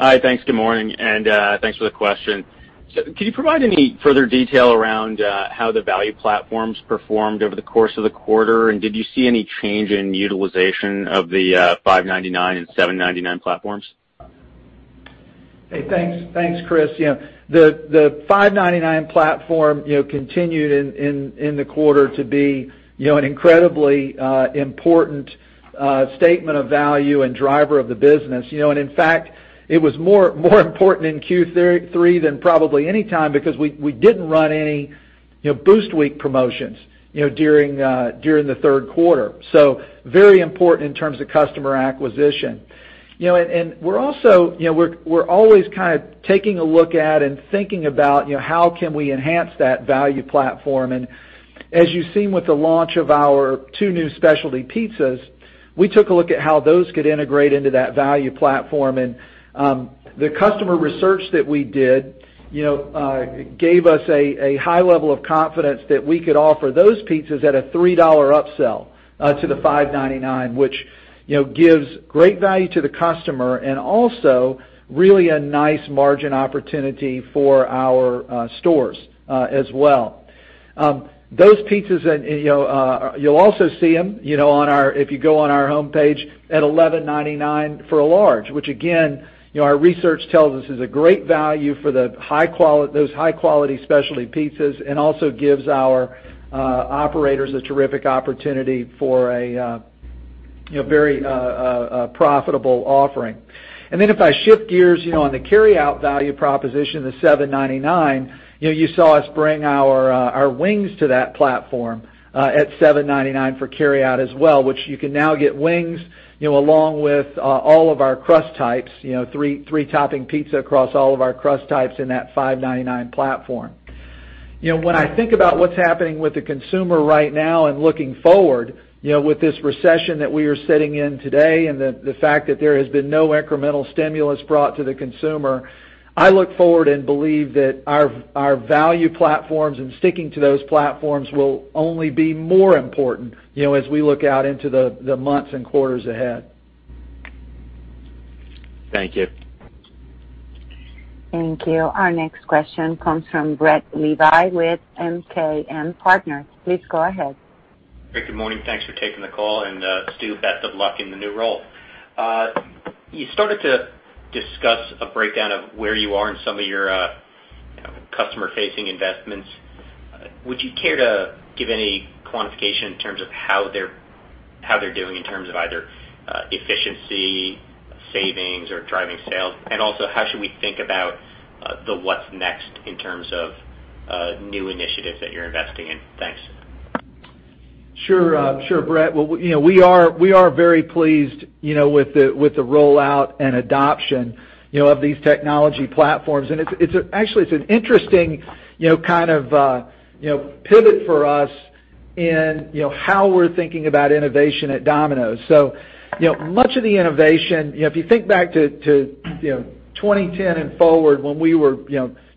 Hi, thanks. Good morning, and thanks for the question. Can you provide any further detail around how the value platforms performed over the course of the quarter, and did you see any change in utilization of the $5.99 and $7.99 platforms? Hey, thanks, Chris. The $5.99 platform continued in the quarter to be an incredibly important statement of value and driver of the business. In fact, it was more important in Q3 than probably any time because we didn't run any Boost Week promotions during the third quarter. Very important in terms of customer acquisition. We're always kind of taking a look at and thinking about how can we enhance that value platform. As you've seen with the launch of our two new specialty pizzas, we took a look at how those could integrate into that value platform. The customer research that we did gave us a high level of confidence that we could offer those pizzas at a $3 upsell to the $5.99, which gives great value to the customer and also really a nice margin opportunity for our stores as well. Those pizzas, you'll also see them if you go on our homepage at $11.99 for a large, which again, our research tells us is a great value for those high quality specialty pizzas and also gives our operators a terrific opportunity for a very profitable offering. If I shift gears on the carryout value proposition, the $7.99, you saw us bring our wings to that platform at $7.99 for carryout as well, which you can now get wings along with all of our crust types, three-topping pizza across all of our crust types in that $5.99 platform. When I think about what's happening with the consumer right now and looking forward with this recession that we are sitting in today and the fact that there has been no incremental stimulus brought to the consumer, I look forward and believe that our value platforms and sticking to those platforms will only be more important as we look out into the months and quarters ahead. Thank you. Thank you. Our next question comes from Brett Levy with MKM Partners. Please go ahead. Great. Good morning. Thanks for taking the call. Stu, best of luck in the new role. You started to discuss a breakdown of where you are in some of your customer-facing investments. Would you care to give any quantification in terms of how they're doing in terms of either efficiency, savings, or driving sales? Also, how should we think about the what's next in terms of new initiatives that you're investing in? Thanks. Sure, Brett. We are very pleased with the rollout and adoption of these technology platforms. Actually, it's an interesting kind of pivot for us in how we're thinking about innovation at Domino's. Much of the innovation, if you think back to 2010 and forward, when we were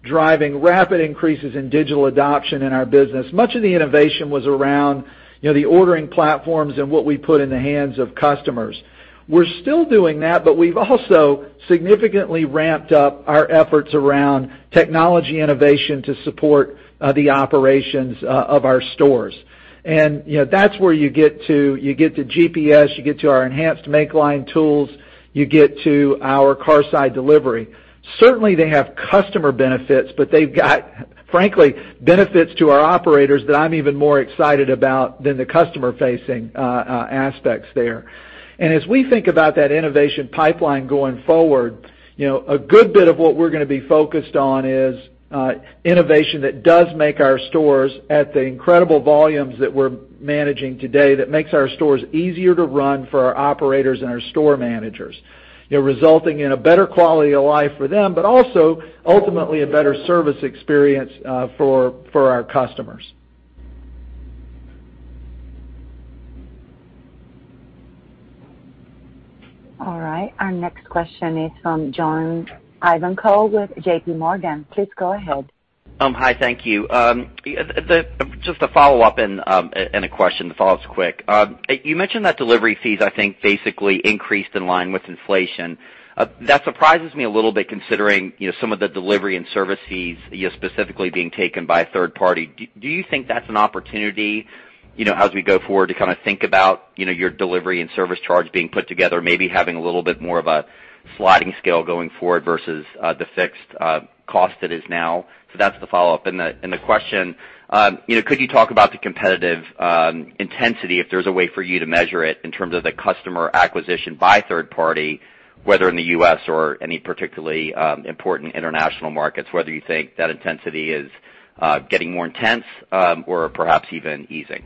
driving rapid increases in digital adoption in our business, much of the innovation was around the ordering platforms and what we put in the hands of customers. We're still doing that, but we've also significantly ramped up our efforts around technology innovation to support the operations of our stores. That's where you get to GPS, you get to our enhanced make-line tools, you get to our Carside Delivery. Certainly, they have customer benefits, but they've got, frankly, benefits to our operators that I'm even more excited about than the customer-facing aspects there. As we think about that innovation pipeline going forward, a good bit of what we're going to be focused on is innovation that does make our stores at the incredible volumes that we're managing today, that makes our stores easier to run for our operators and our store managers, resulting in a better quality of life for them, but also ultimately a better service experience for our customers. All right. Our next question is from John Ivankoe with JPMorgan. Please go ahead. Hi, thank you. Just a follow-up and a question to follow up quick. You mentioned that delivery fees, I think, basically increased in line with inflation. That surprises me a little bit considering some of the delivery and service fees specifically being taken by a third party. Do you think that's an opportunity as we go forward to kind of think about your delivery and service charge being put together, maybe having a little bit more of a sliding scale going forward versus the fixed cost that is now? That's the follow-up. The question, could you talk about the competitive intensity, if there's a way for you to measure it in terms of the customer acquisition by third party, whether in the U.S. or any particularly important international markets, whether you think that intensity is getting more intense or perhaps even easing?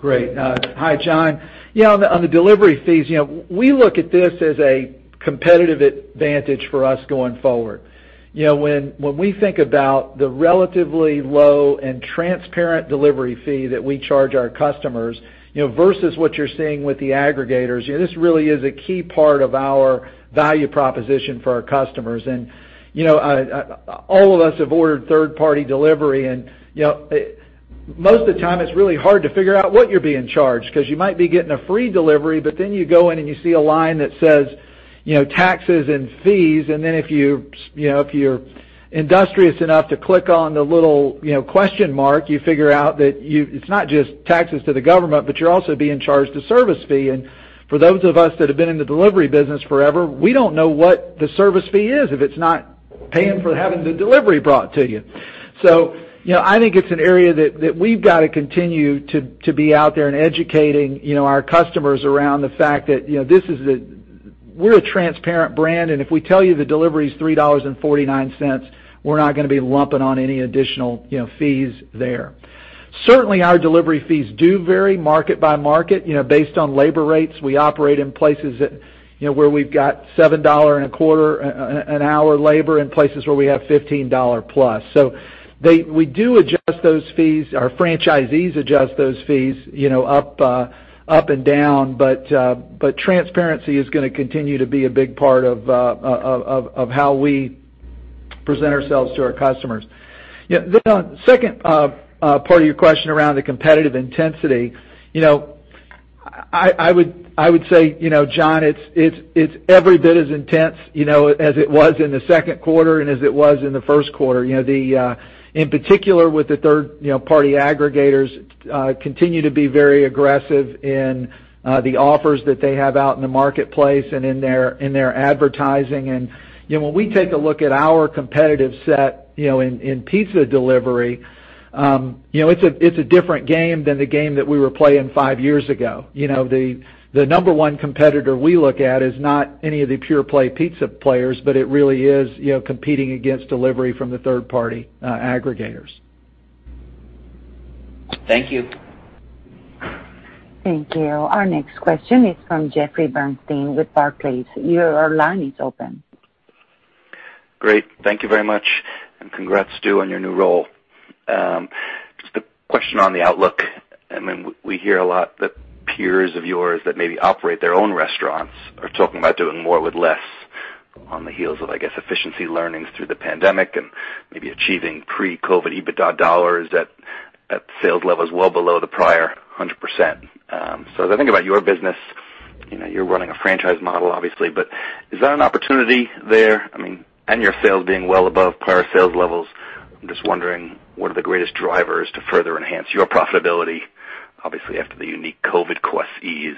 Great. Hi, John. Yeah, on the delivery fees, we look at this as a competitive advantage for us going forward. When we think about the relatively low and transparent delivery fee that we charge our customers versus what you're seeing with the aggregators, this really is a key part of our value proposition for our customers. All of us have ordered third-party delivery, and most of the time it's really hard to figure out what you're being charged because you might be getting a free delivery, but then you go in and you see a line that says taxes and fees. If you're industrious enough to click on the little question mark, you figure out that it's not just taxes to the government, but you're also being charged a service fee. For those of us that have been in the delivery business forever, we do not know what the service fee is if it is not paying for having the delivery brought to you. I think it's an area that we have got to continue to be out there and educating our customers around the fact that we are a transparent brand, and if we tell you the delivery is $3.49, we are not going to be lumping on any additional fees there. Certainly, our delivery fees do vary market by market based on labor rates. We operate in places where we have got $7.25 an hour labor and places where we have $15+. We do adjust those fees. Our franchisees adjust those fees up and down. Transparency is going to continue to be a big part of how we present ourselves to our customers. On the second part of your question around the competitive intensity, I would say, John, it's every bit as intense as it was in the second quarter and as it was in the first quarter. In particular, with the third-party aggregators continue to be very aggressive in the offers that they have out in the marketplace and in their advertising. When we take a look at our competitive set in pizza delivery, it's a different game than the game that we were playing five years ago. The number one competitor we look at is not any of the pure play pizza players, but it really is competing against delivery from the third-party aggregators. Thank you. Thank you. Our next question is from Jeffrey Bernstein with Barclays. Your line is open. Great. Thank you very much, and congrats, Stu, on your new role. Just a question on the outlook. We hear a lot that peers of yours that maybe operate their own restaurants are talking about doing more with less on the heels of, I guess, efficiency learnings through the pandemic and maybe achieving pre-COVID EBITDA dollars at sales levels well below the prior 100%. As I think about your business, you're running a franchise model, obviously, but is that an opportunity there? Your sales being well above prior sales levels, I'm just wondering what are the greatest drivers to further enhance your profitability, obviously after the unique COVID costs ease.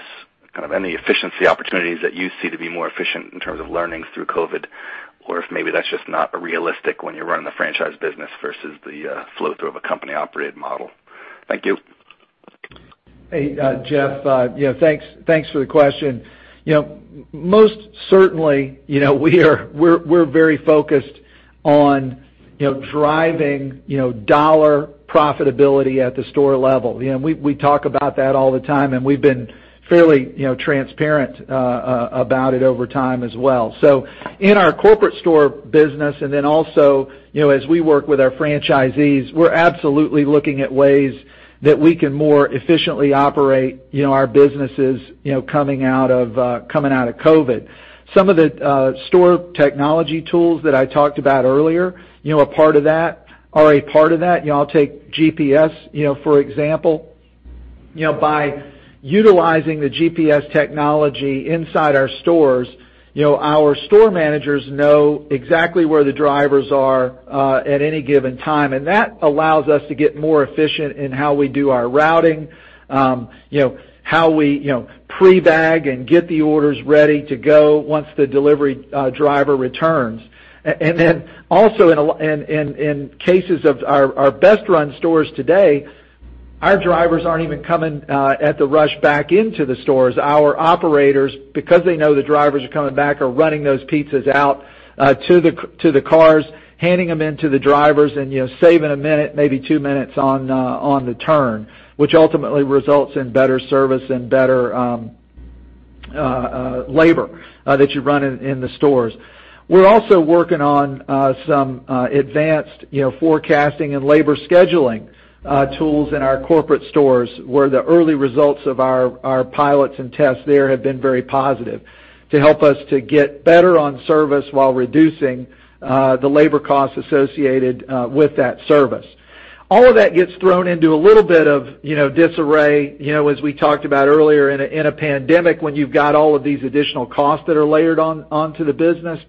Kind of any efficiency opportunities that you see to be more efficient in terms of learnings through COVID, or if maybe that's just not realistic when you're running the franchise business versus the flow through of a company-operated model? Thank you. Hey, Jeff. Yeah, thanks for the question. Most certainly, we're very focused on driving dollar profitability at the store level. We talk about that all the time, and we've been fairly transparent about it over time as well. In our corporate store business, and then also as we work with our franchisees, we're absolutely looking at ways that we can more efficiently operate our businesses coming out of COVID. Some of the store technology tools that I talked about earlier are a part of that. I'll take GPS, for example. By utilizing the GPS technology inside our stores, our store managers know exactly where the drivers are at any given time, and that allows us to get more efficient in how we do our routing, how we pre-bag and get the orders ready to go once the delivery driver returns. Also in cases of our best-run stores today, our drivers aren't even coming at the rush back into the stores. Our operators, because they know the drivers are coming back, are running those pizzas out to the cars, handing them into the drivers, and saving a minute, maybe two minutes on the turn, which ultimately results in better service and better labor that you run in the stores. We're also working on some advanced forecasting and labor scheduling tools in our corporate stores, where the early results of our pilots and tests there have been very positive to help us to get better on service while reducing the labor costs associated with that service. All of that gets thrown into a little bit of disarray, as we talked about earlier, in a pandemic, when you've got all of these additional costs that are layered onto the business.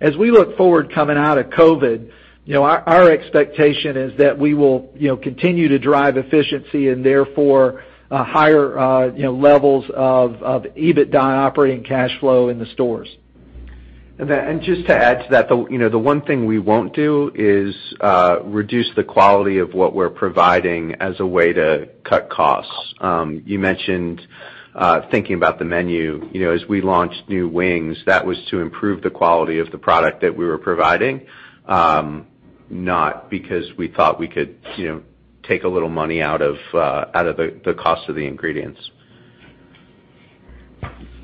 As we look forward coming out of COVID, our expectation is that we will continue to drive efficiency and therefore higher levels of EBITDA and operating cash flow in the stores. Just to add to that, the one thing we won't do is reduce the quality of what we're providing as a way to cut costs. You mentioned thinking about the menu. As we launched new wings, that was to improve the quality of the product that we were providing, not because we thought we could take a little money out of the cost of the ingredients.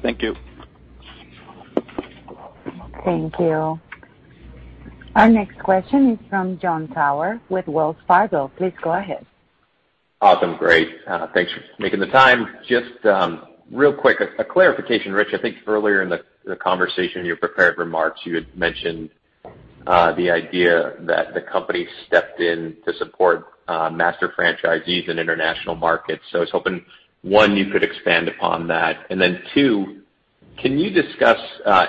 Thank you. Thank you. Our next question is from Jon Tower with Wells Fargo. Please go ahead. Awesome. Great. Thanks for making the time. Just real quick, a clarification, Ritch. I think earlier in the conversation, in your prepared remarks, you had mentioned the idea that the company stepped in to support master franchisees in international markets. I was hoping, one, you could expand upon that, and then two, can you discuss,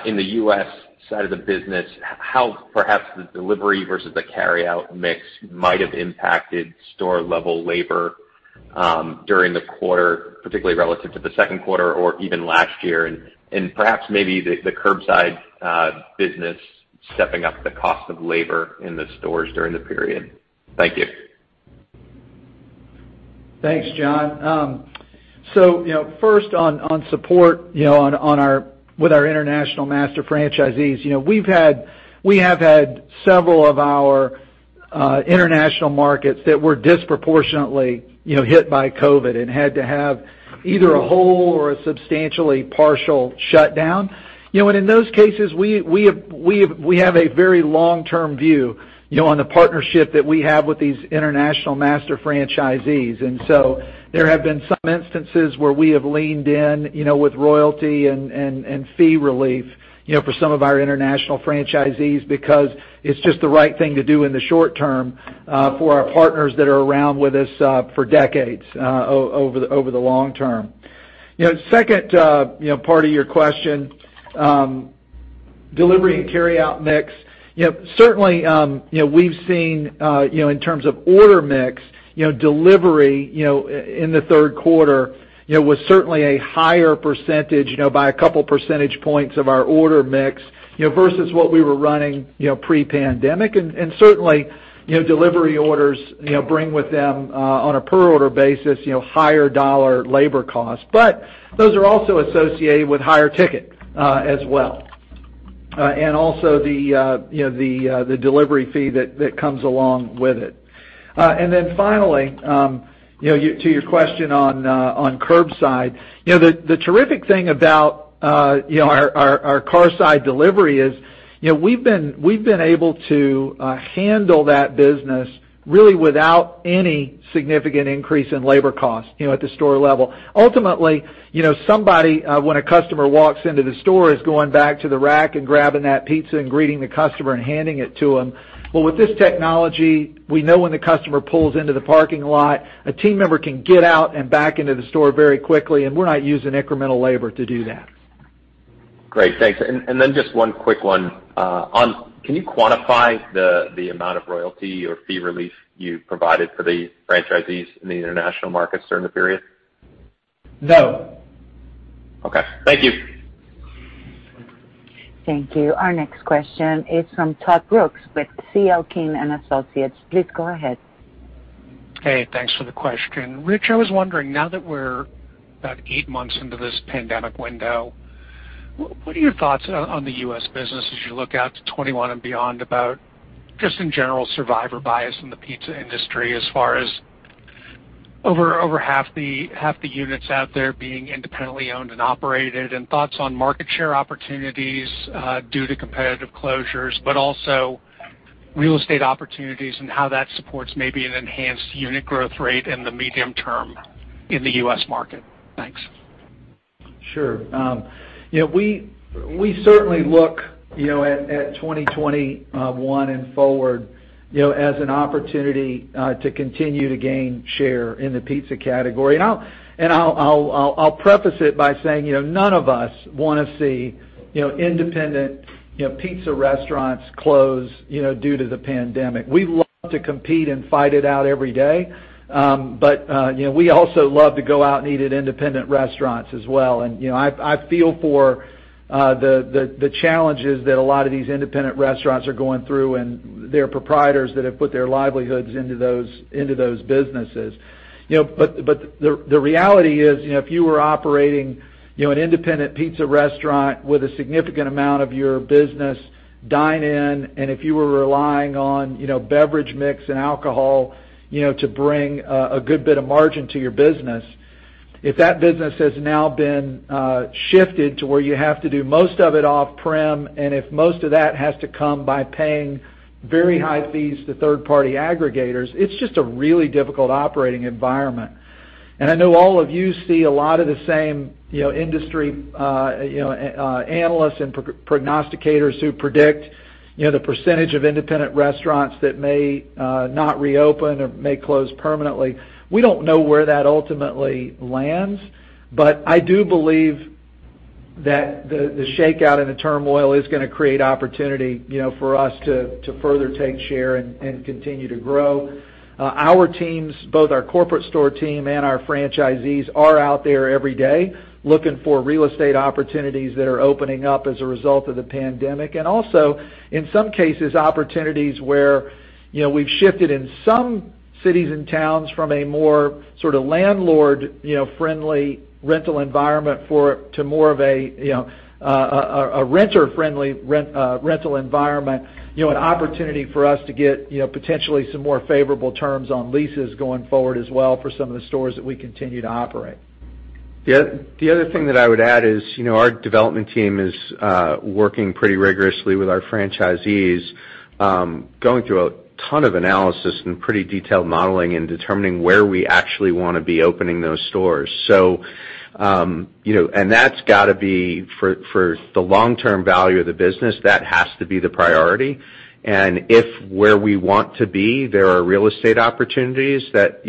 in the U.S. side of the business, how perhaps the delivery versus the carry-out mix might have impacted store-level labor during the quarter, particularly relative to the second quarter or even last year, and perhaps maybe the curbside business stepping up the cost of labor in the stores during the period? Thank you. Thanks, Jon. First on support with our international master franchisees. We have had several of our international markets that were disproportionately hit by COVID-19 and had to have either a whole or a substantially partial shutdown. In those cases, we have a very long-term view on the partnership that we have with these international master franchisees. There have been some instances where we have leaned in with royalty and fee relief for some of our international franchisees, because it's just the right thing to do in the short term for our partners that are around with us for decades over the long term. Second part of your question, delivery and carryout mix. Certainly, we've seen, in terms of order mix, delivery in the third quarter was certainly a higher percentage, by a couple percentage points of our order mix, versus what we were running pre-pandemic. Certainly, delivery orders bring with them, on a per order basis, higher dollar labor costs. Those are also associated with higher ticket as well. Also the delivery fee that comes along with it. Finally, to your question on curbside. The terrific thing about our Carside Delivery is we've been able to handle that business really without any significant increase in labor cost at the store level. Ultimately, somebody, when a customer walks into the store, is going back to the rack and grabbing that pizza and greeting the customer and handing it to them. With this technology, we know when the customer pulls into the parking lot, a team member can get out and back into the store very quickly, and we're not using incremental labor to do that. Great. Thanks. Just one quick one. Can you quantify the amount of royalty or fee relief you provided for the franchisees in the international markets during the period? No. Okay. Thank you. Thank you. Our next question is from Todd Brooks with C.L. King & Associates. Please go ahead. Hey, thanks for the question. Ritch, I was wondering, now that we're about eight months into this pandemic window, what are your thoughts on the U.S. business as you look out to 2021 and beyond about, just in general, survivor bias in the pizza industry as far as over half the units out there being independently owned and operated, and thoughts on market share opportunities due to competitive closures, but also real estate opportunities and how that supports maybe an enhanced unit growth rate in the medium term in the U.S. market. Thanks. Sure. We certainly look at 2021 and forward as an opportunity to continue to gain share in the pizza category. I'll preface it by saying, none of us want to see independent pizza restaurants close due to the pandemic. We love to compete and fight it out every day. We also love to go out and eat at independent restaurants as well. I feel for the challenges that a lot of these independent restaurants are going through, and their proprietors that have put their livelihoods into those businesses. The reality is, if you were operating an independent pizza restaurant with a significant amount of your business dine in, and if you were relying on beverage mix and alcohol to bring a good bit of margin to your business, if that business has now been shifted to where you have to do most of it off-prem, and if most of that has to come by paying very high fees to third-party aggregators, it's just a really difficult operating environment. I know all of you see a lot of the same industry analysts and prognosticators who predict the percentage of independent restaurants that may not reopen or may close permanently. We don't know where that ultimately lands, but I do believe that the shakeout and the turmoil is going to create opportunity for us to further take share and continue to grow. Our teams, both our corporate store team and our franchisees, are out there every day looking for real estate opportunities that are opening up as a result of the pandemic, and also, in some cases, opportunities where we've shifted in some cities and towns from a more sort of landlord friendly rental environment to more of a renter friendly rental environment. An opportunity for us to get potentially some more favorable terms on leases going forward as well for some of the stores that we continue to operate. The other thing that I would add is, our development team is working pretty rigorously with our franchisees, going through a ton of analysis and pretty detailed modeling and determining where we actually want to be opening those stores. For the long-term value of the business, that has to be the priority. If where we want to be, there are real estate opportunities, that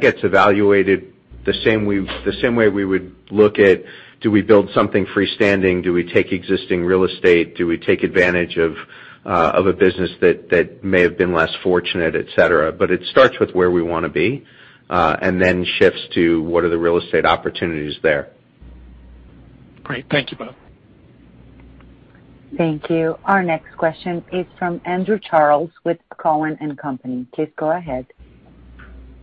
gets evaluated the same way we would look at, do we build something freestanding? Do we take existing real estate? Do we take advantage of a business that may have been less fortunate, et cetera? It starts with where we want to be, and then shifts to, what are the real estate opportunities there? Great. Thank you both. Thank you. Our next question is from Andrew Charles with Cowen and Company. Please go ahead.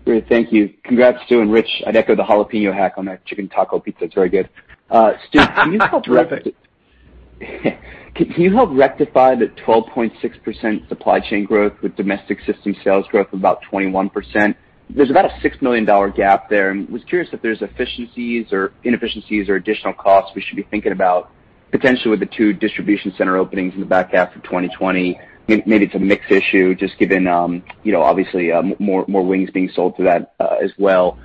Great. Thank you. Congrats, Stu and Ritch. I'd echo the jalapeno hack on that Chicken Taco Pizza. It's very good. Perfect. Can you help rectify the 12.6% supply chain growth with domestic system sales growth of about 21%? Was curious if there's efficiencies or inefficiencies or additional costs we should be thinking about potentially with the two distribution center openings in the back half of 2020. Maybe it's a mix issue, just given obviously more wings being sold through that as well.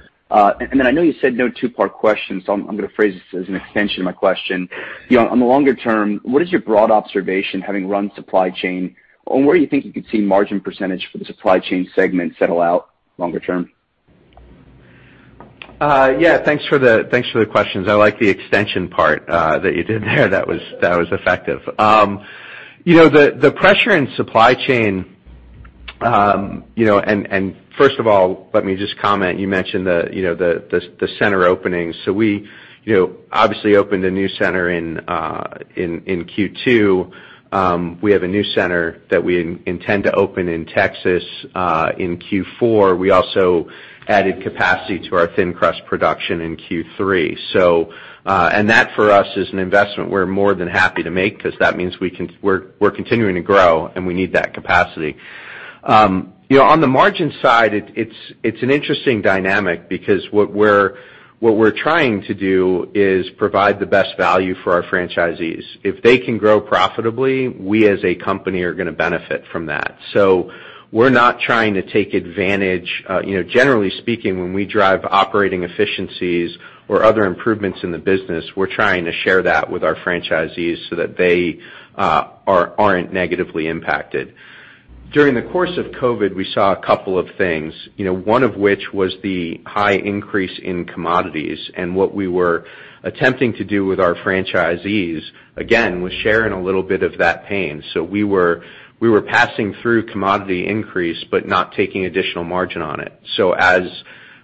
Then I know you said no two-part questions, so I'm going to phrase this as an extension of my question. On the longer term, what is your broad observation, having run supply chain, on where you think you could see margin percentage for the supply chain segment settle out longer term? Yeah, thanks for the questions. I like the extension part that you did there. That was effective. The pressure in supply chain, and first of all, let me just comment, you mentioned the center openings. We obviously opened a new center in Q2. We have a new center that we intend to open in Texas in Q4. We also added capacity to our thin crust production in Q3. That for us is an investment we're more than happy to make because that means we're continuing to grow and we need that capacity. On the margin side, it's an interesting dynamic because what we're trying to do is provide the best value for our franchisees. If they can grow profitably, we as a company are going to benefit from that. We're not trying to take advantage. Generally speaking, when we drive operating efficiencies or other improvements in the business, we're trying to share that with our franchisees so that they aren't negatively impacted. During the course of COVID, we saw a couple of things. One of which was the high increase in commodities, and what we were attempting to do with our franchisees, again, was sharing a little bit of that pain. We were passing through commodity increase, but not taking additional margin on it. As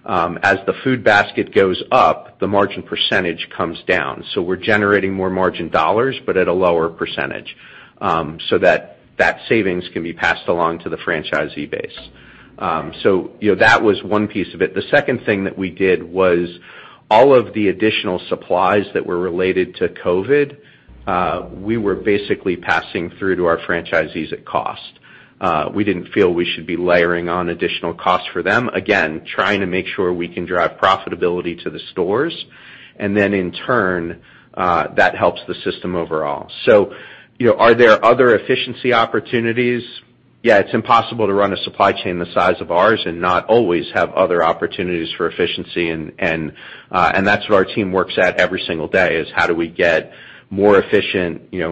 the food basket goes up, the margin percentage comes down. We're generating more margin dollars, but at a lower percentage, so that savings can be passed along to the franchisee base. That was one piece of it. The second thing that we did was all of the additional supplies that were related to COVID, we were basically passing through to our franchisees at cost. We didn't feel we should be layering on additional costs for them. Again, trying to make sure we can drive profitability to the stores, and then in turn, that helps the system overall. Are there other efficiency opportunities? Yeah, it's impossible to run a supply chain the size of ours and not always have other opportunities for efficiency and that's what our team works at every single day, is how do we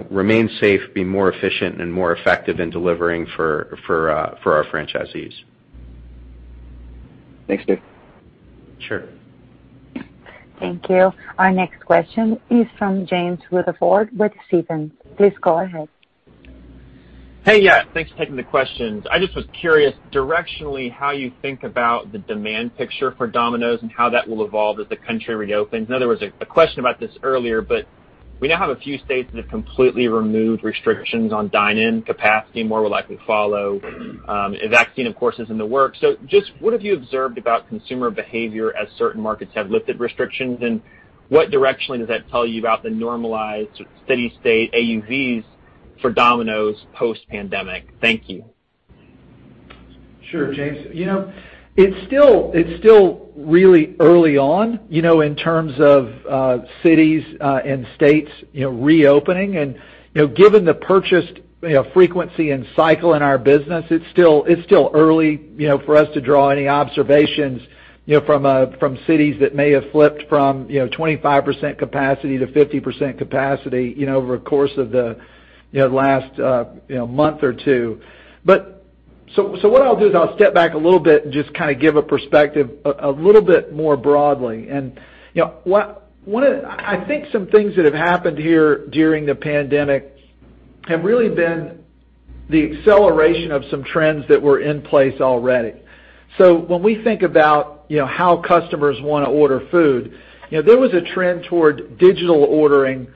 remain safe, be more efficient and more effective in delivering for our franchisees. Thanks, Stu. Sure. Thank you. Our next question is from James Rutherford with Stephens. Please go ahead. Hey, yeah. Thanks for taking the questions. I just was curious, directionally, how you think about the demand picture for Domino's and how that will evolve as the country reopens. In other words, a question about this earlier. We now have a few states that have completely removed restrictions on dine-in capacity, more will likely follow. A vaccine, of course, is in the works. Just what have you observed about consumer behavior as certain markets have lifted restrictions, and what directionally does that tell you about the normalized city-state AUVs for Domino's post-pandemic? Thank you. Sure, James. It's still really early on in terms of cities and states reopening. Given the purchase frequency and cycle in our business, it's still early for us to draw any observations from cities that may have flipped from 25% capacity to 50% capacity over a course of the last month or two. What I'll do is I'll step back a little bit and just kind of give a perspective, a little bit more broadly. I think some things that have happened here during the pandemic have really been the acceleration of some trends that were in place already. When we think about how customers want to order food, there was a trend toward digital ordering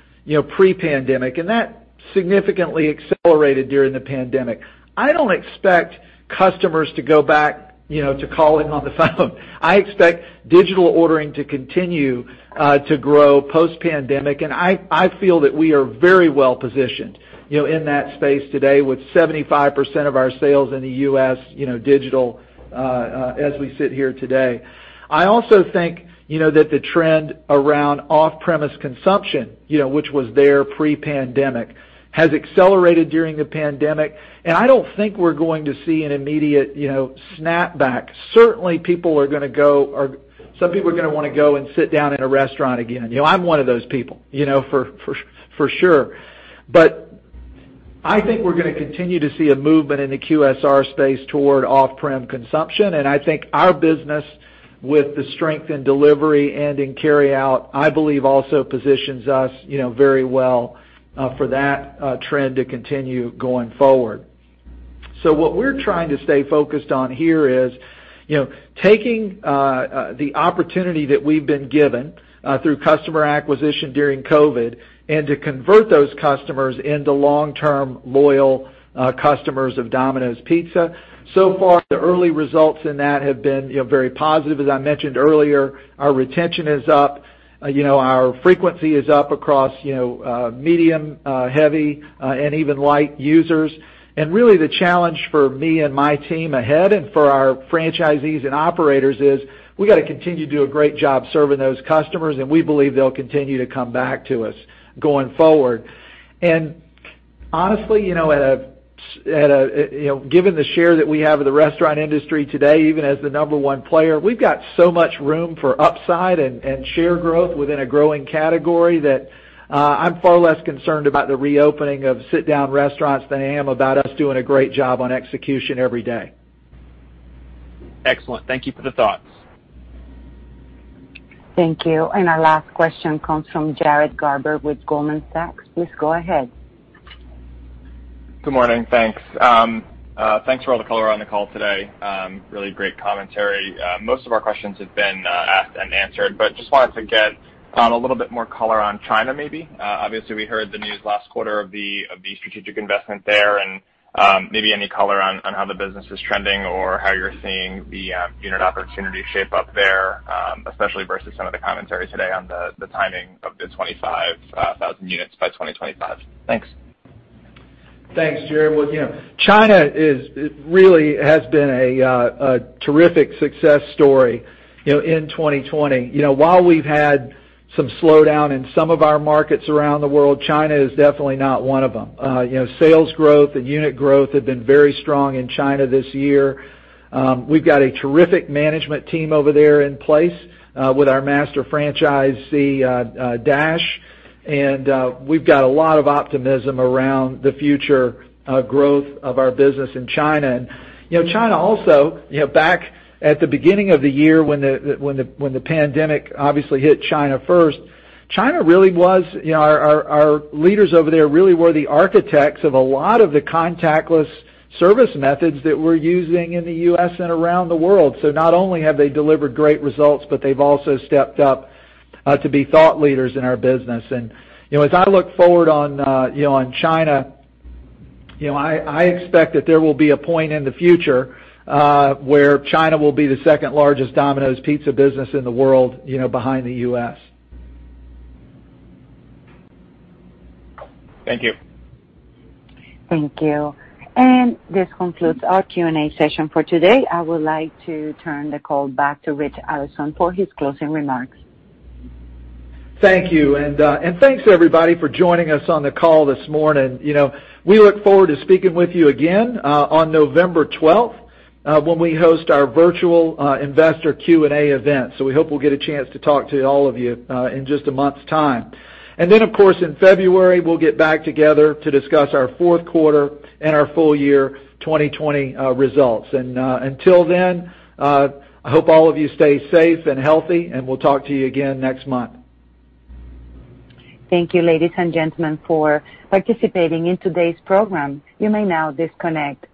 pre-pandemic, and that significantly accelerated during the pandemic. I don't expect customers to go back to calling on the phone. I expect digital ordering to continue to grow post-pandemic, I feel that we are very well-positioned in that space today with 75% of our sales in the U.S. digital as we sit here today. I also think that the trend around off-premise consumption which was there pre-pandemic, has accelerated during the pandemic, I don't think we're going to see an immediate snapback. Certainly, some people are going to want to go and sit down in a restaurant again. I'm one of those people for sure. I think we're going to continue to see a movement in the QSR space toward off-prem consumption, I think our business with the strength in delivery and in carry-out, I believe, also positions us very well for that trend to continue going forward. What we're trying to stay focused on here is taking the opportunity that we've been given through customer acquisition during COVID, and to convert those customers into long-term, loyal customers of Domino's Pizza. So far, the early results in that have been very positive. As I mentioned earlier, our retention is up. Our frequency is up across medium, heavy, and even light users. Really the challenge for me and my team ahead, and for our franchisees and operators is we got to continue to do a great job serving those customers, and we believe they'll continue to come back to us going forward. Honestly, given the share that we have of the restaurant industry today, even as the number one player, we've got so much room for upside and share growth within a growing category that I'm far less concerned about the reopening of sit-down restaurants than I am about us doing a great job on execution every day. Excellent. Thank you for the thoughts. Thank you. Our last question comes from Jared Garber with Goldman Sachs. Please go ahead. Good morning. Thanks. Thanks for all the color on the call today. Really great commentary. Most of our questions have been asked and answered. Just wanted to get a little bit more color on China, maybe. Obviously, we heard the news last quarter of the strategic investment there and maybe any color on how the business is trending or how you're seeing the unit opportunity shape up there, especially versus some of the commentary today on the timing of the 25,000 units by 2025. Thanks. Thanks, Jared. Well, China really has been a terrific success story in 2020. While we've had some slowdown in some of our markets around the world, China is definitely not one of them. Sales growth and unit growth have been very strong in China this year. We've got a terrific management team over there in place with our master franchisee, Dash, and we've got a lot of optimism around the future growth of our business in China. China also, back at the beginning of the year when the pandemic obviously hit China first, our leaders over there really were the architects of a lot of the contactless service methods that we're using in the U.S. and around the world. Not only have they delivered great results, but they've also stepped up to be thought leaders in our business. As I look forward on China, I expect that there will be a point in the future, where China will be the second-largest Domino's Pizza business in the world, behind the U.S. Thank you. Thank you. This concludes our Q&A session for today. I would like to turn the call back to Ritch Allison for his closing remarks. Thank you, thanks everybody for joining us on the call this morning. We look forward to speaking with you again on November 12th, when we host our virtual investor Q&A event. We hope we'll get a chance to talk to all of you in just a month's time. Of course, in February, we'll get back together to discuss our fourth quarter and our full year 2020 results. Until then, I hope all of you stay safe and healthy, and we'll talk to you again next month. Thank you, ladies and gentlemen, for participating in today's program. You may now disconnect.